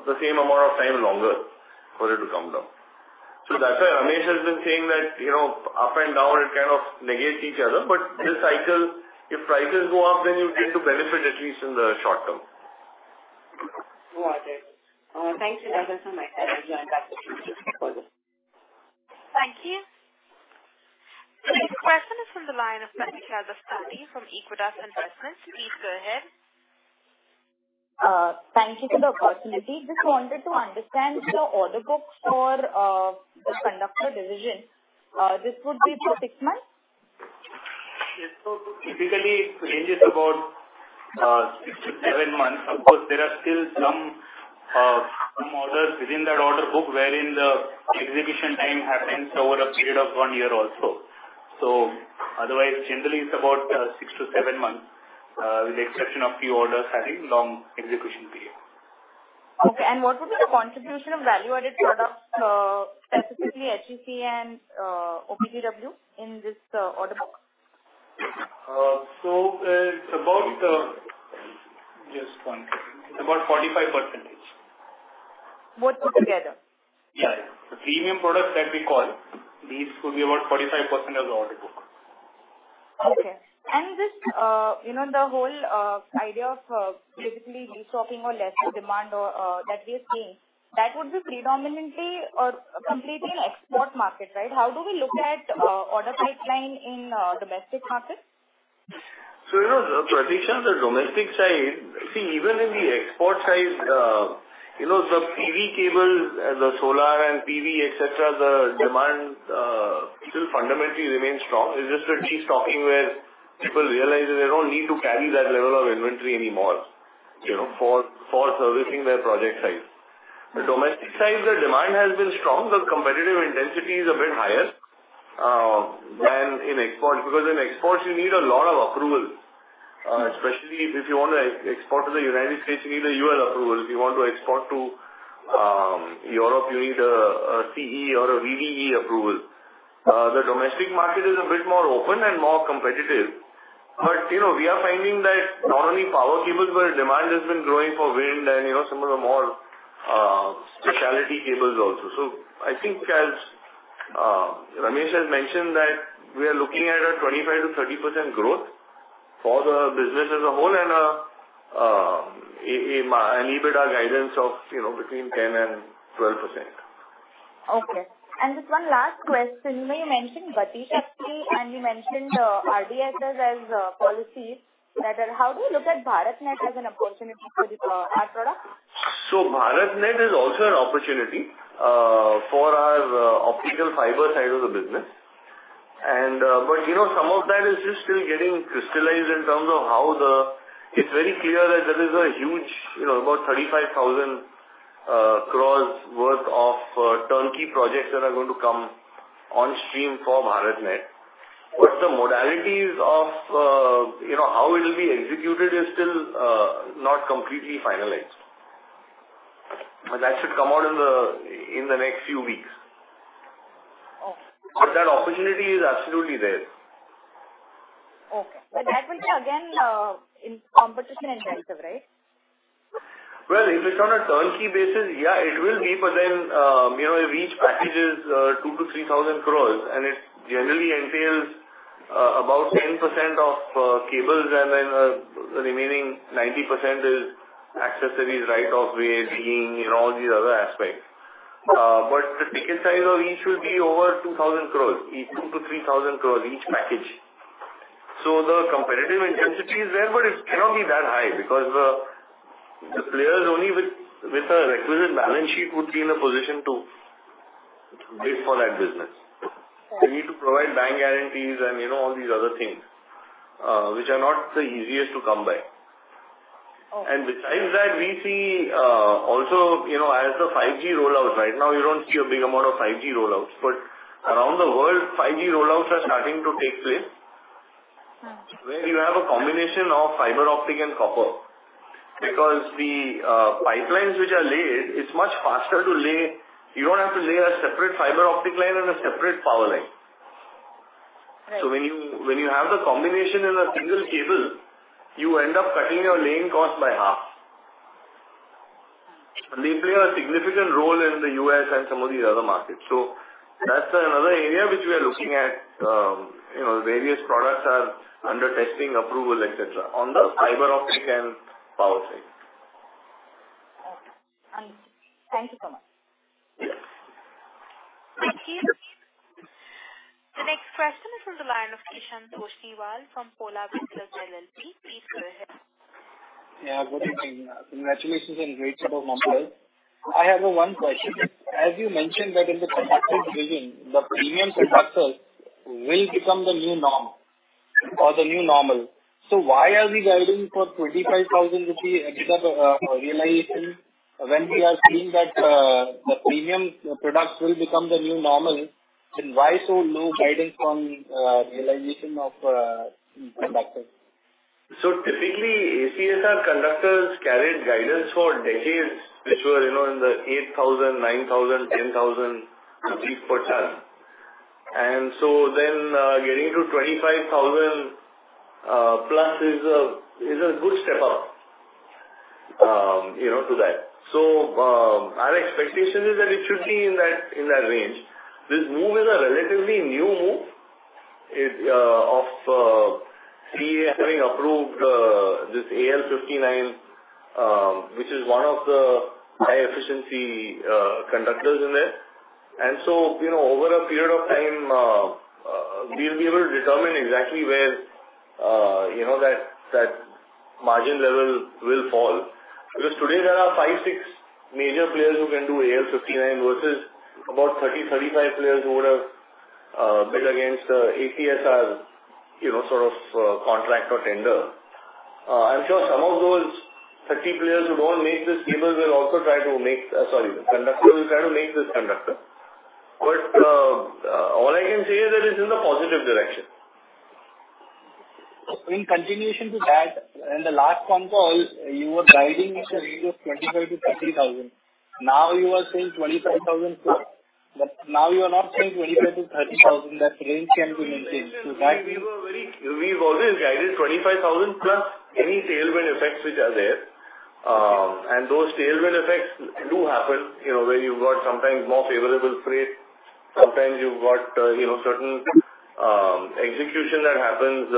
the same amount of time longer for it to come down. That's why Ramesh has been saying that, you know, up and down, it kind of negates each other. This cycle, if prices go up, then you get to benefit at least in the short term. Got it. Thank you very much. I will join back with you. Thank you. The next question is from the line of Pratiksha Daftari from Aequitas Investment. Please go ahead. Thank you for the opportunity. Just wanted to understand the order book for the conductor division. This would be for six months? Yes. Typically it ranges about six-seven months. Of course, there are still some, some orders within that order book, wherein the exhibition time happens over a period of one year also. Otherwise, generally it's about six-seven months, with the exception of few orders having long execution period. Okay, what would be the contribution of value-added products, specifically HEC and OPGW, in this order book? It's about, just one, about 45%. Both put together? Yeah. The premium products that we call, these could be about 45% of the order book. Okay. Just, you know, the whole idea of basically de-stocking or lesser demand or that we are seeing, that would be predominantly or completely in export market, right? How do we look at order pipeline in domestic market? You know, Pratiksha, the domestic side. See, even in the export side, you know, the PV cable, the solar and PV, et cetera, the demand still fundamentally remains strong. It's just a de-stocking where people realize that they don't need to carry that level of inventory anymore, you know, for servicing their project size. The domestic side, the demand has been strong. The competitive intensity is a bit higher than in export, because in export you need a lot of approvals, especially if you want to export to the United States, you need a UL approval. If you want to export to Europe, you need a CE or a VDE approval. The domestic market is a bit more open and more competitive, but you know, we are finding that not only power cables, but demand has been growing for wind and, you know, some of the more specialty cables also. So I think as Ramesh Iyer has mentioned that we are looking at a 25%-30% growth. For the business as a whole, and an EBITDA guidance of, you know, between 10% and 12%. Okay. Just one last question. You mentioned Gati Shakti, and you mentioned RDSS as policies. How do you look at BharatNet as an opportunity for the our product? BharatNet is also an opportunity for our optical fiber side of the business. You know, some of that is just still getting crystallized in terms of. It's very clear that there is a huge, you know, about 35,000 crore worth of turnkey projects that are going to come on stream for BharatNet. The modalities of, you know, how it will be executed is still not completely finalized. That should come out in the next few weeks. Okay. That opportunity is absolutely there. Okay. That will again, in competition intensive, right? Well, if it's on a turnkey basis, yeah, it will be. Then, you know, each package is 2,000 crore-3,000 crore, and it generally entails about 10% of cables, and then, the remaining 90% is accessories, right of way, seeing, you know, all these other aspects. Okay. The ticket size of each will be over 2,000 crore, each 2,000 crore-3,000 crore, each package. The competitive intensity is there, but it cannot be that high because the players only with a requisite balance sheet would be in a position to bid for that business. They need to provide bank guarantees and, you know, all these other things, which are not the easiest to come by. Okay. Besides that, we see, also, you know, as the 5G roll out, right now, you don't see a big amount of 5G rollouts. Around the world, 5G rollouts are starting to take place. where you have a combination of fiber optic and copper. Because the pipelines which are laid, it's much faster to lay. You don't have to lay a separate fiber optic line and a separate power line. Right. When you, when you have the combination in a single cable, you end up cutting your laying cost by half. They play a significant role in the U.S. and some of these other markets. That's another area which we are looking at. You know, the various products are under testing, approvals, et cetera, on the fiber optic and power side. Okay. Thank you so much. Thank you. The next question is from the line of Kishan Tosniwal from Polar Ventures LLP. Please go ahead. Yeah, good evening. Congratulations and great set of numbers. I have one question. As you mentioned that in the Conductor division, the premium conductors will become the new norm or the new normal, why are we guiding for 25,000 rupees EBITDA realization when we are seeing that the premium products will become the new normal, then why so low guidance on realization of conductors? Typically, ACSR conductors carried guidance for decades, which were, you know, in the 8,000, 9,000, 10,000 per ton. Getting to 25,000 plus is a good step up, you know, to that. Our expectation is that it should be in that, in that range. This move is a relatively new move, is of CEA having approved this AL-59, which is one of the high efficiency conductors in there. You know, over a period of time, we'll be able to determine exactly where, you know, that, that margin level will fall. Because today there are five, six major players who can do AL-59 versus about 30, 35 players who would have bid against ACSR, you know, sort of, contract or tender. I'm sure some of those 30 players who don't make this cable will also try to make. Sorry, the conductor, will try to make this conductor. All I can say is that it's in the positive direction. In continuation to that, in the last quarter, you were guiding between 25,000-30,000. Now you are saying 25,000+. Now you are not saying 25,000-30,000, that range can be maintained. That- We've always guided 25,000+ any tailwind effects which are there. Those tailwind effects do happen, you know, where you've got sometimes more favorable freight, sometimes you've got, you know, certain execution that happens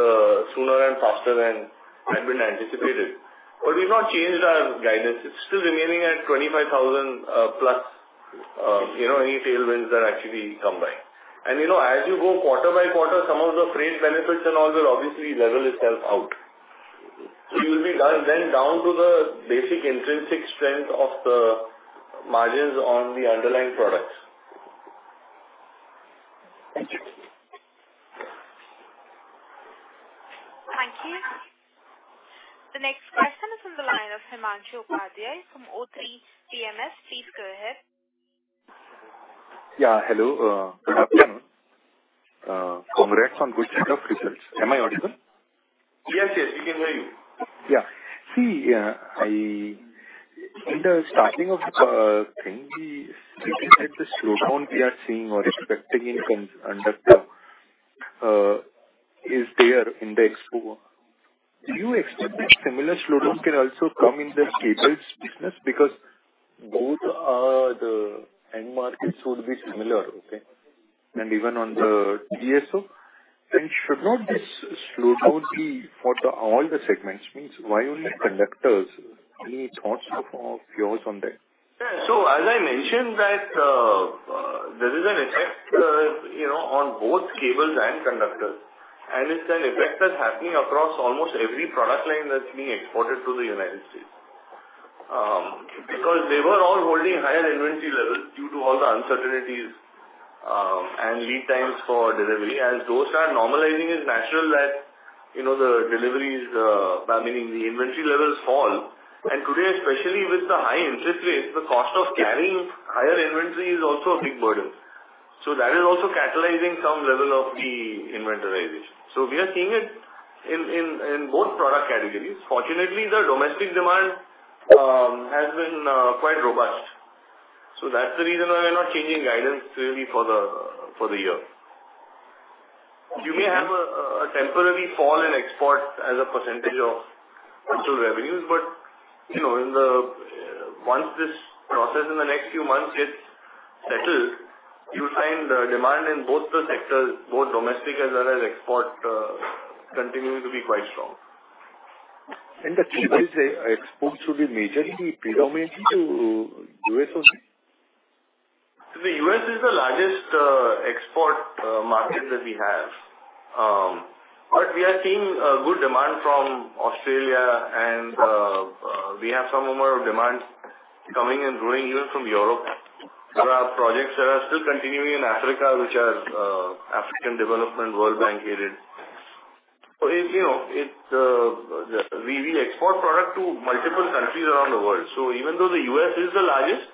sooner and faster than had been anticipated. We've not changed our guidance. It's still remaining at 25,000+, you know, any tailwinds that actually come by. You know, as you go quarter by quarter, some of the freight benefits and all will obviously level itself out. You'll be done then down to the basic intrinsic strength of the margins on the underlying products. Thank you. Thank you. The next question is on the line of Himanshu Upadhyay from o3 PMS. Please go ahead. Yeah, hello. Good afternoon. Congrats on good set of results. Am I audible? Yes, yes, we can hear you. Yeah. See, I, in the starting of thing, we said the slowdown we are seeing or expecting in terms conductor, is there in the expo. Do you expect that similar slowdown can also come in the cables business? Because both are the end markets would be similar, okay? Even on the DSO, should not this slow down be for the all the segments? Means why only conductors? Any thoughts of yours on that? Yeah. As I mentioned that, there is an effect, you know, on both cables and conductors, and it's an effect that's happening across almost every product line that's being exported to the United States. Because they were all holding higher inventory levels due to all the uncertainties, and lead times for delivery. Those are normalizing, it's natural that, you know, the deliveries, I mean, the inventory levels fall. Today, especially with the high interest rates, the cost of carrying higher inventory is also a big burden. That is also catalyzing some level of de-inventorization. We are seeing it in, in, in both product categories. Fortunately, the domestic demand has been quite robust. That's the reason why we're not changing guidance really for the, for the year. You may have a temporarily fall in exports as a percentage of total revenues, but, you know, Once this process in the next few months gets settled, you'll find the demand in both the sectors, both domestic as well as export, continuing to be quite strong. The exports will be majorly, predominantly to U.S. only? The U.S. is the largest export market that we have. We are seeing a good demand from Australia and we have some amount of demand coming and growing even from Europe. There are projects that are still continuing in Africa, which are African Development World Bank-aided. You know, it's we, we export product to multiple countries around the world. Even though the U.S. is the largest,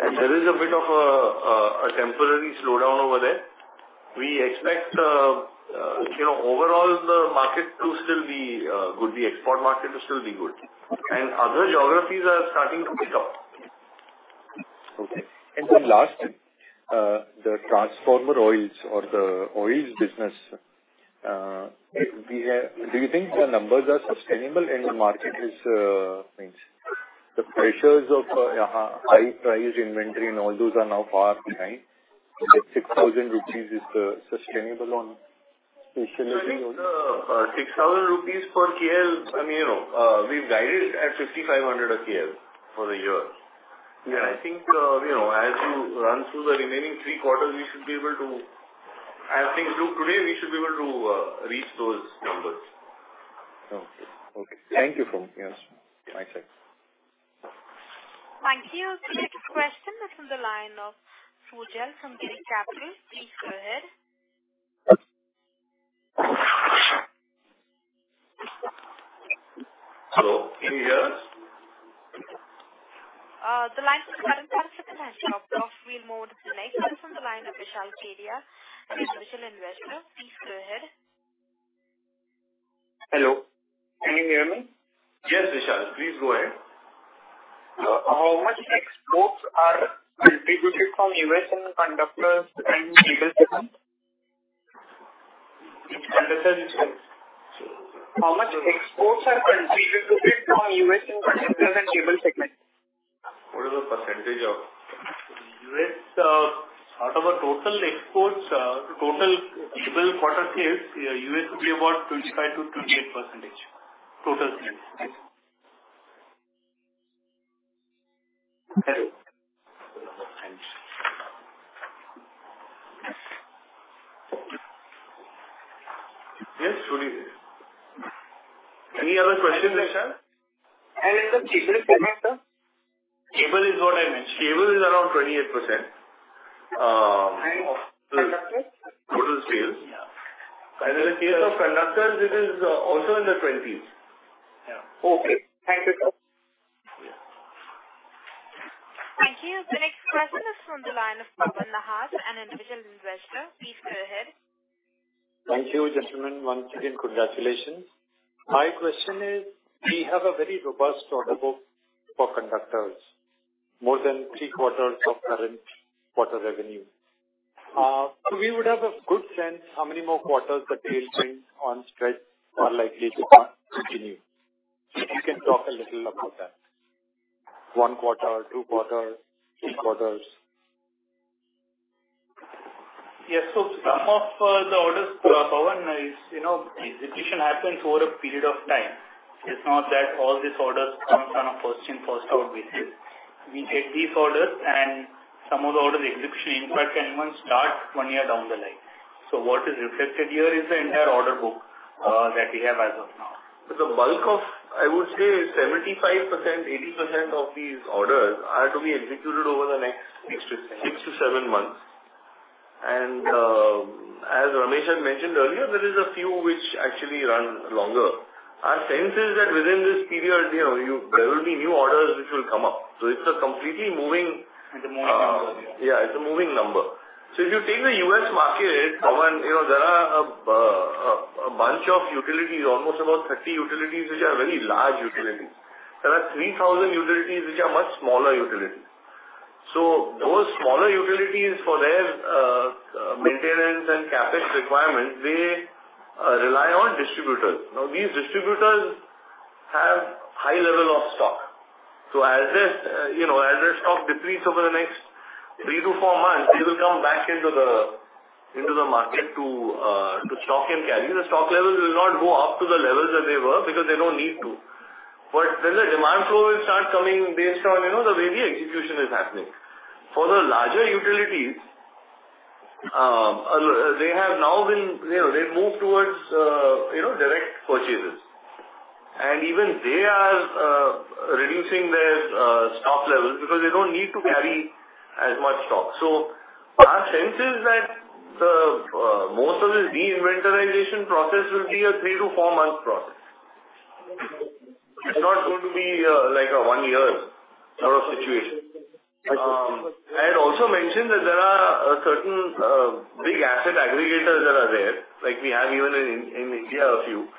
and there is a bit of a temporary slowdown over there, we expect, you know, overall the market to still be good, the export market to still be good. Other geographies are starting to pick up. Okay. The last, the transformer oils or the oils business, do you think the numbers are sustainable and the market is, the pressures of, high price inventory and all those are now far behind? The INR 6,000 is sustainable on. I think the 6,000 rupees per kl, I mean, you know, we've guided at 5,500 a kl for the year. I think, you know, as you run through the remaining three quarters, we should be able to. I think today, we should be able to reach those numbers. Okay. Thank you, folks. Yes, thanks. Thank you. The next question is from the line of Sujal from Girik Capital. Please go ahead. Hello, can you hear us? The line for current has dropped off. We move to the next from the line of Vishal Kediya, an individual investor. Please go ahead. Hello, can you hear me? Yes, Vishal, please go ahead. How much exports are contributed from U.S. in the conductors and cable segment? How much exports are contributed from U.S. in conductors and cable segment? What is the percentage of U.S. out of our total exports, total cable quarter sales, U.S. would be about 25%-28%. Total sales. Yes, Vishal. Any other questions, Vishal? It's a cable segment, sir? Cable is what I mentioned. Cable is around 28%. Conductors? Total sales. In the case of conductors, it is also in the 20s. Yeah. Okay. Thank you, sir. Thank you. The next question is from the line of Pawan Nahar, an individual investor. Please go ahead. Thank you, gentlemen. Once again, congratulations. My question is, we have a very robust order book for conductors, more than three quarters of current quarter revenue. We would have a good sense how many more quarters the tailwinds on stretch are likely to continue. If you can talk a little about that. One quarter, two quarters, three quarters? Yes. Some of the orders, Pawan, is, you know, execution happens over a period of time. It's not that all these orders come on a first-in, first-out basis. We take these orders, some of the order execution, in fact, can even start one year down the line. What is reflected here is the entire order book that we have as of now. The bulk of, I would say 75%, 80% of these orders are to be executed over the six-seven months. As Ramesh had mentioned earlier, there is a few which actually run longer. Our sense is that within this period, you know, there will be new orders which will come up. It's a completely moving number. Yeah, it's a moving number. If you take the U.S. market, Pawan, you know, there are a bunch of utilities, almost about 30 utilities, which are very large utilities. There are 3,000 utilities which are much smaller utilities. Those smaller utilities for their maintenance and CapEx requirements, they rely on distributors. Now, these distributors have high level of stock. As their, you know, as their stock depletes over the next three to four months, they will come back into the, into the market to stock and carry. The stock levels will not go up to the levels that they were, because they don't need to. Then the demand flow will start coming based on, you know, the way the execution is happening. For the larger utilities, they have now been, you know, they've moved towards, you know, direct purchases. Even they are reducing their stock levels because they don't need to carry as much stock. Our sense is that the most of the de-inventorization process will be a three-four month process. It's not going to be like a one year sort of situation. I had also mentioned that there are a certain big asset aggregators that are there, like we have even in, in India, a few.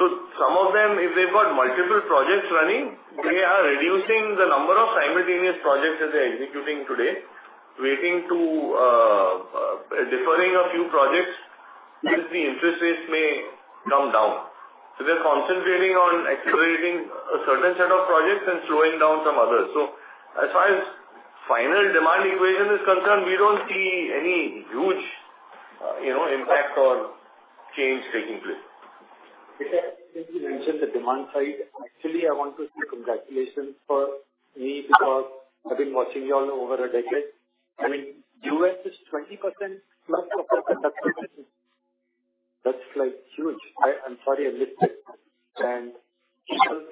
Some of them, if they've got multiple projects running, they are reducing the number of simultaneous projects that they're executing today, waiting to deferring a few projects since the interest rates may come down. They're concentrating on accelerating a certain set of projects and slowing down some others. As far as final demand equation is concerned, we don't see any huge, you know, impact or change taking place. Since you mentioned the demand side, actually, I want to say congratulations for me, because I've been watching you all over a decade. I mean, U.S. is 20% less of a conductor. That's, like, huge. I, I'm sorry I missed it.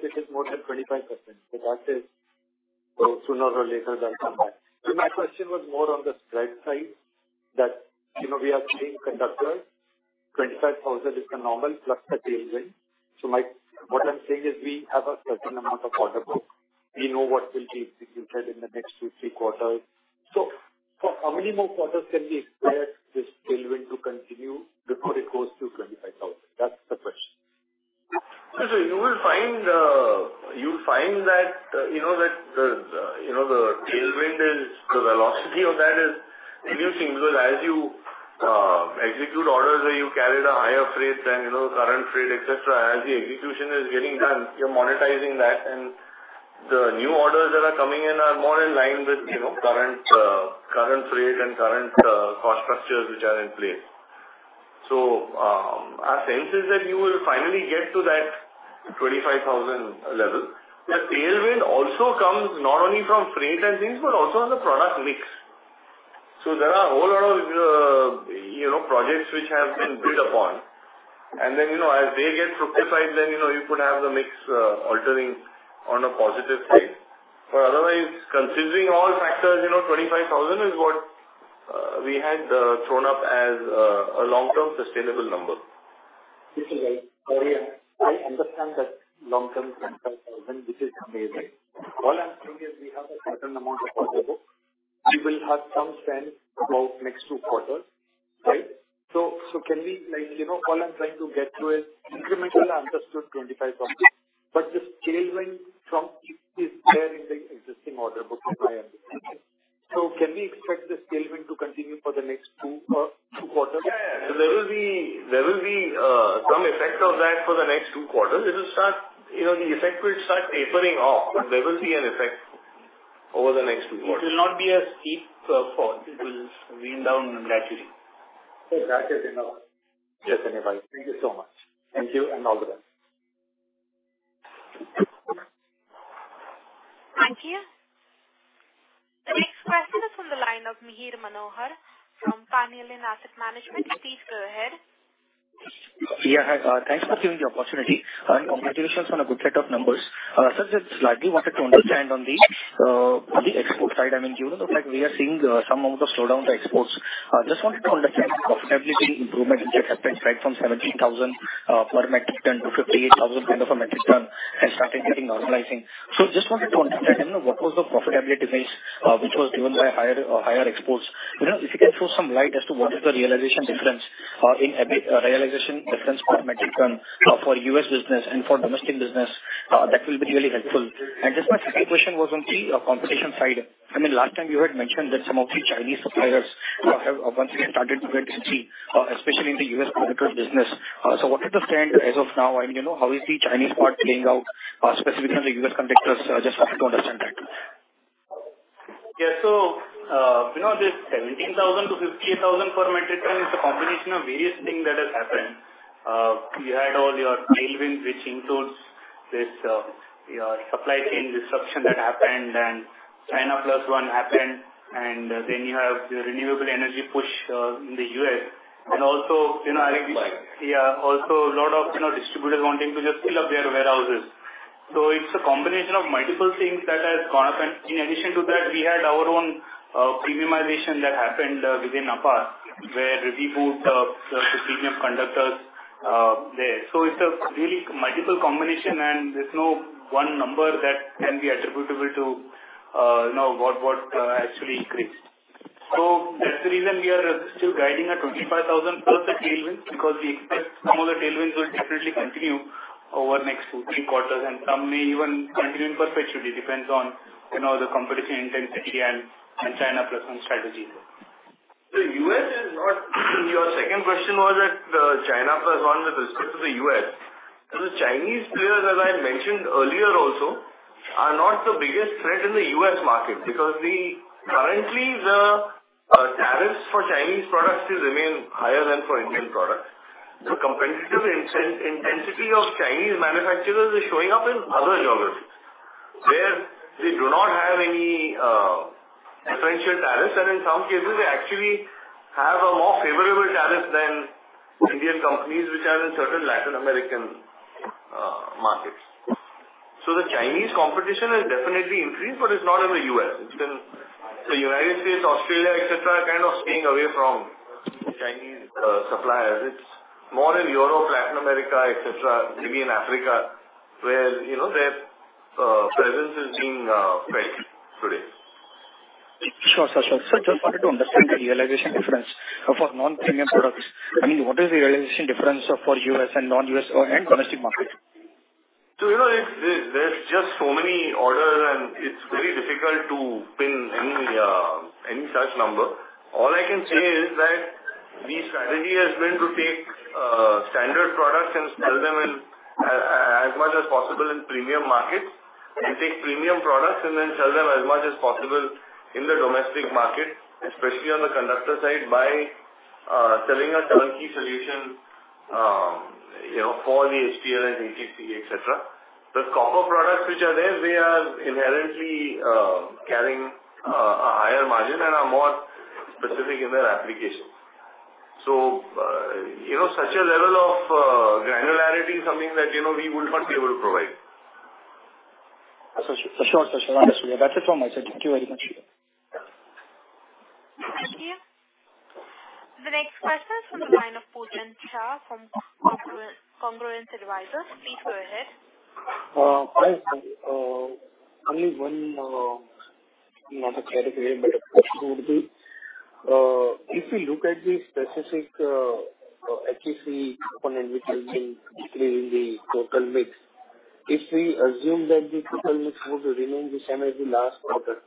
This is more than 25%, so that is, so sooner or later, they'll come back. My question was more on the spread side, that, you know, we are seeing conductors, 25,000 is the normal plus the tailwind. My-- What I'm saying is we have a certain amount of order book. We know what will be executed in the next two, three quarters. For how many more quarters can we expect this tailwind to continue before it goes to 25,000? That's the question. You will find, you'll find that, you know, that the, the, you know, the tailwind is, the velocity of that is reducing, because as you execute orders where you carried a higher freight than, you know, current freight, et cetera, as the execution is getting done, you're monetizing that, and the new orders that are coming in are more in line with, you know, current freight and current cost structures which are in place. Our sense is that you will finally get to that 25,000 level. The tailwind also comes not only from freight and things, but also on the product mix. There are a whole lot of, you know, projects which have been built upon, and then, you know, as they get fructified, then, you know, you could have the mix altering on a positive side. Otherwise, considering all factors, you know, 25,000 is what we had thrown up as a long-term sustainable number. This is right. Oh, yeah, I understand that long-term 25,000, this is amazing. All I'm saying is we have a certain amount of order book. We will have some sense about next two quarters, right? So can we, like, you know, all I'm trying to get to is incremental, I understood 25,000, but the scaling from is, is there in the existing order book, from my understanding. So can we expect the scaling to continue for the next two quarters? Yeah, yeah. There will be, there will be, some effect of that for the next two quarters. It will start, you know, the effect will start tapering off, but there will be an effect over the next two quarters. It will not be a steep fall. It will wean down gradually. That is enough. Yes, anybody. Thank you so much. Thank you, and all the best. Thank you. The next question is from the line of Mihir Manohar from Pantheon Asset Management. Please go ahead. Yeah, hi, thanks for giving the opportunity, and congratulations on a good set of numbers. Sir, just lastly, wanted to understand on the export side, I mean, given the fact we are seeing some amount of slowdown in the exports, just wanted to understand profitability improvement, which has been right from 17,000-58,000 per metric ton, and started getting normalizing. Just wanted to understand, you know, what was the profitability gains, which was driven by higher, higher exports? You know, if you can throw some light as to what is the realization difference, in every realization difference per metric ton, for US business and for domestic business, that will be really helpful. Just my second question was on the competition side. I mean, last time you had mentioned that some of the Chinese suppliers have once again started to get to see, especially in the U.S. conductor business. What is the stand as of now? I mean, you know, how is the Chinese part playing out, specifically on the U.S. conductors? Just wanted to understand that. Yeah. You know, this 17,000-58,000 per metric ton is a combination of various things that has happened. You had all your tailwind, which includes this, your supply chain disruption that happened, China Plus One happened, and then you have the renewable energy push, in the U.S. Also, you know. Right. Yeah. Also, a lot of, you know, distributors wanting to just fill up their warehouses. It's a combination of multiple things that has gone up. In addition to that, we had our own premiumization that happened within APAR, where we moved the premium conductors there. It's a really multiple combination, and there's no one number that can be attributable to, you know, what, what actually increased. That's the reason we are still guiding a 25,000 plus the tailwind, because we expect some of the tailwinds will definitely continue over the next two, three quarters, and some may even continue in perpetuity. Depends on, you know, the competition intensity and, and China Plus One strategy. The U.S. is not- Your second question was that, China Plus One with respect to the U.S. The Chinese players, as I mentioned earlier also, are not the biggest threat in the U.S. market, because we currently the tariffs for Chinese products still remain higher than for Indian products. The competitive inten-intensity of Chinese manufacturers is showing up in other geographies, where they do not have any potential tariffs, and in some cases they actually have a more favorable tariff than Indian companies, which are in certain Latin American markets. The Chinese competition has definitely increased, but it's not in the U.S. It's in the United States, Australia, et cetera, kind of staying away from Chinese suppliers. It's more in Europe, Latin America, et cetera, maybe in Africa, where, you know, their presence is being felt today. Sure, sure, sure. Just wanted to understand the realization difference for non-premium products. I mean, what is the realization difference for U.S. and non-U.S. or domestic market? You know, it's, there's, there's just so many orders, and it's very difficult to pin any such number. All I can say is that the strategy has been to take standard products and sell them as much as possible in premium markets, and take premium products and then sell them as much as possible in the domestic market, especially on the conductor side, by selling a turnkey solution, you know, for the HTLS and ACCC, et cetera. The copper products, which are there, they are inherently carrying a higher margin and are more specific in their application. You know, such a level of granularity is something that, you know, we would not be able to provide. Sure, sure, sure. That's it from my side. Thank you very much. Thank you. The next question is from the line of Pujan Shah from Congruence Advisers. Please go ahead. Hi, Sir. Only one, not a clear way, but it would be, if you look at the specific HEC component, which has been decreasing the total mix, if we assume that the total mix would remain the same as the last quarter,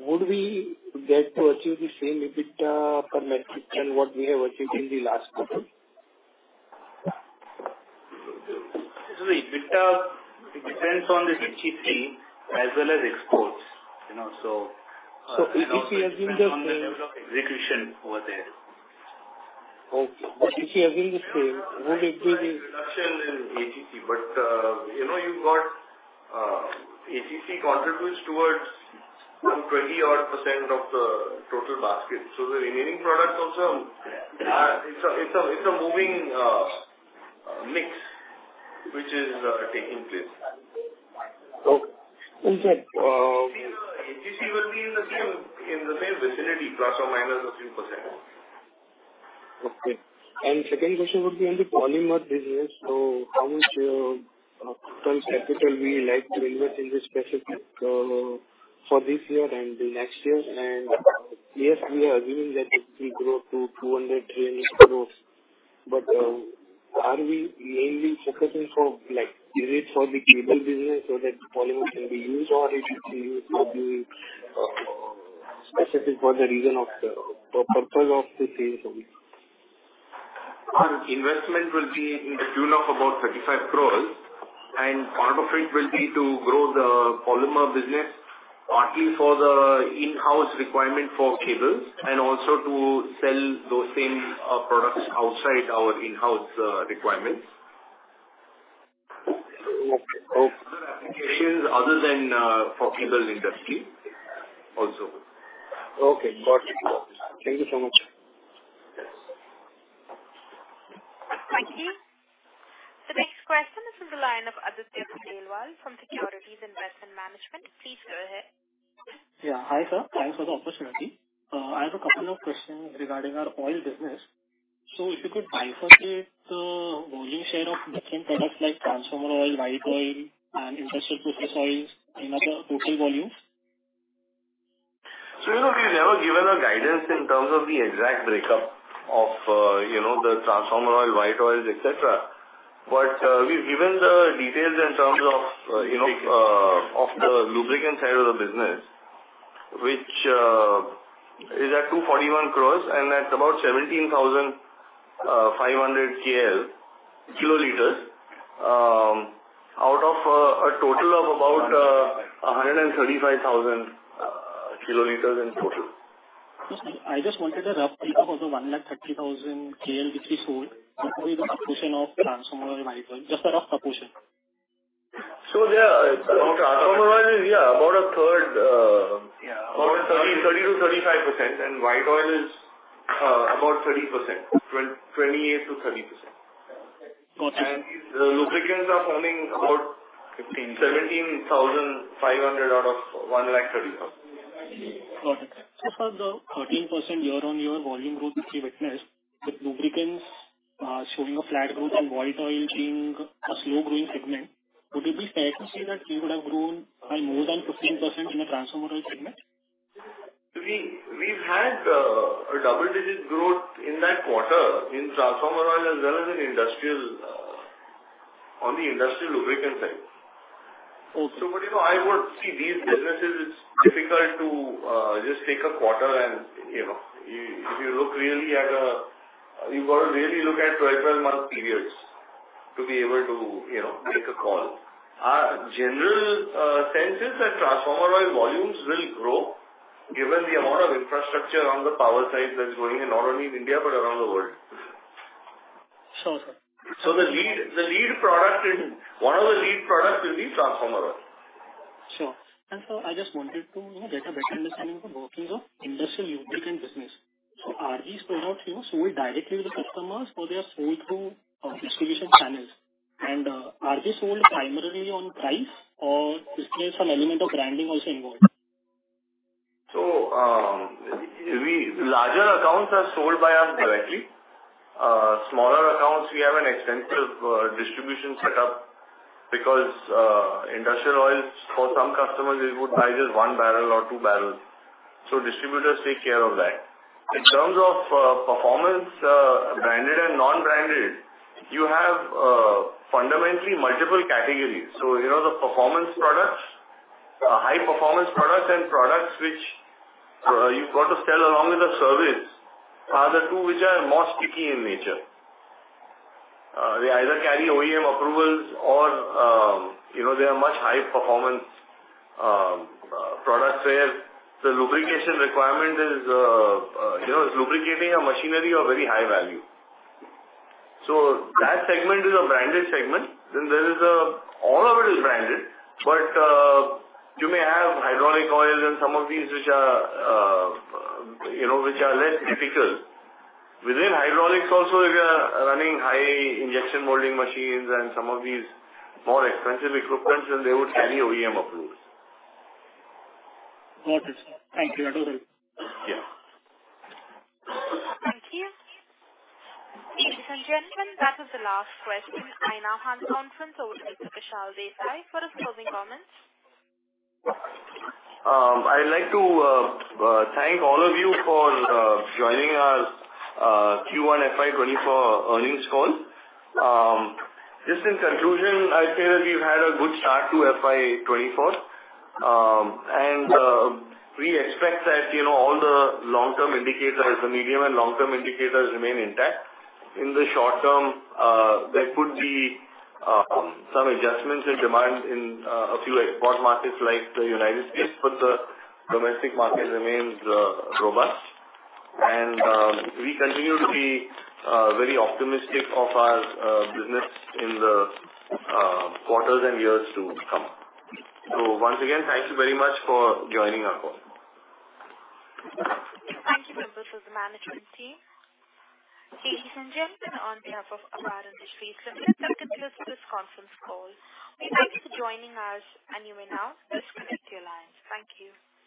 would we get to achieve the same EBITDA per metric and what we have achieved in the last quarter? The EBITDA, it depends on the HEC as well as exports, you know. If we assume that. Execution over there. Okay. If we assume the same, would it be the? Reduction in HEC, you know, you've got HEC contributes towards some 20 odd % of the total basket. The remaining products also, it's a, it's a, it's a moving, mix which is, taking place. Okay. Inside, HEC will be in the same, in the same vicinity, ±3%. Okay. Second question would be on the polymer business. How much total capital we like to invest in this specific for this year and the next year? Yes, we are assuming that it will grow to 200 crores. Are we mainly focusing for, like, is it for the cable business so that polymer can be used, or is it to use specific for the reason of the, for purpose of the sales only? Our investment will be in the tune of about 35 crore. Part of it will be to grow the polymer business, partly for the in-house requirement for cables, and also to sell those same products outside our in-house requirements. Other than, for cable industry also. Okay, got it. Thank you so much. Thank you. The next question is from the line of Aditya Khandelwal from Securities Investment Management. Please go ahead. Yeah. Hi, sir. Thanks for the opportunity. I have a couple of questions regarding our oil business. If you could bifurcate the volume share of different products like transformer oil, white oil, and industrial process oils in our total volumes. You know, we've never given a guidance in terms of the exact breakup of, you know, the transformer oil, white oils, et cetera. We've given the details in terms of, you know, of the lubricant side of the business, which is at 241 crore and at about 17,500 kiloliters, out of a total of about 135,000 kiloliters in total. I just wanted a rough breakup of the 130,000 kl, which we sold, what will be the proportion of transformer and white oil? Just a rough proportion. Yeah, transformer oil is, yeah, about a third, yeah, about 30%-35%, and white oil is, about 30%, 28%-30%. Got you. The lubricants are forming. 17,500 out of 130,000. Got it. For the 13%, we witnessed with lubricants, showing a flat growth and white oil being a slow-growing segment, would it be fair to say that you would have grown by more than 15% in the transformer oil segment? We, we've had a double-digit growth in that quarter in transformer oil as well as in industrial, on the industrial lubricant side. Okay. But, you know, I would see these businesses, it's difficult to just take a quarter and, you know, you, if you look really at, you've got to really look at 12-month periods to be able to, you know, make a call. Our general sense is that transformer oil volumes will grow given the amount of infrastructure on the power side that's going in, not only in India, but around the world. Sure, sir. The lead, the lead product in, one of the lead products will be transformer oil. Sure. I just wanted to, you know, get a better understanding of the workings of industrial lubricant business. Are these products, you know, sold directly to the customers, or they are sold through distribution channels? Are they sold primarily on price or is there some element of branding also involved? We larger accounts are sold by us directly. Smaller accounts, we have an extensive distribution setup because industrial oils for some customers, they would buy just 1 bbl or 1 bbl, so distributors take care of that. In terms of performance, branded and non-branded, you have fundamentally multiple categories. You know, the performance products, high-performance products and products which you've got to sell along with the service, are the two which are more sticky in nature. They either carry OEM approvals or, you know, they are much high performance products, where the lubrication requirement is, you know, lubricating a machinery of very high value. That segment is a branded segment. There is a. All of it is branded, but, you may have hydraulic oils and some of these which are, you know, which are less critical. Within hydraulics also, if you are running high injection molding machines and some of these more expensive equipments, then they would carry OEM approvals. Got it. Thank you. I know that. Yeah. Thank you. Ladies and gentlemen, that was the last question. I now hand the conference over to Kushal Desai for his closing comments. I'd like to thank all of you for joining our Q1 FY 2024 earnings call. Just in conclusion, I'd say that we've had a good start to FY 2024. We expect that, you know, all the long-term indicators, the medium and long-term indicators remain intact. In the short term, there could be some adjustments in demand in a few export markets like the United States, but the domestic market remains robust. We continue to be very optimistic of our business in the quarters and years to come. Once again, thank you very much for joining our call. Thank you, members of the management team. Ladies and gentlemen, on behalf of APAR Industries, let me thank you for this conference call. We thank you for joining us, and you may now disconnect your lines. Thank you.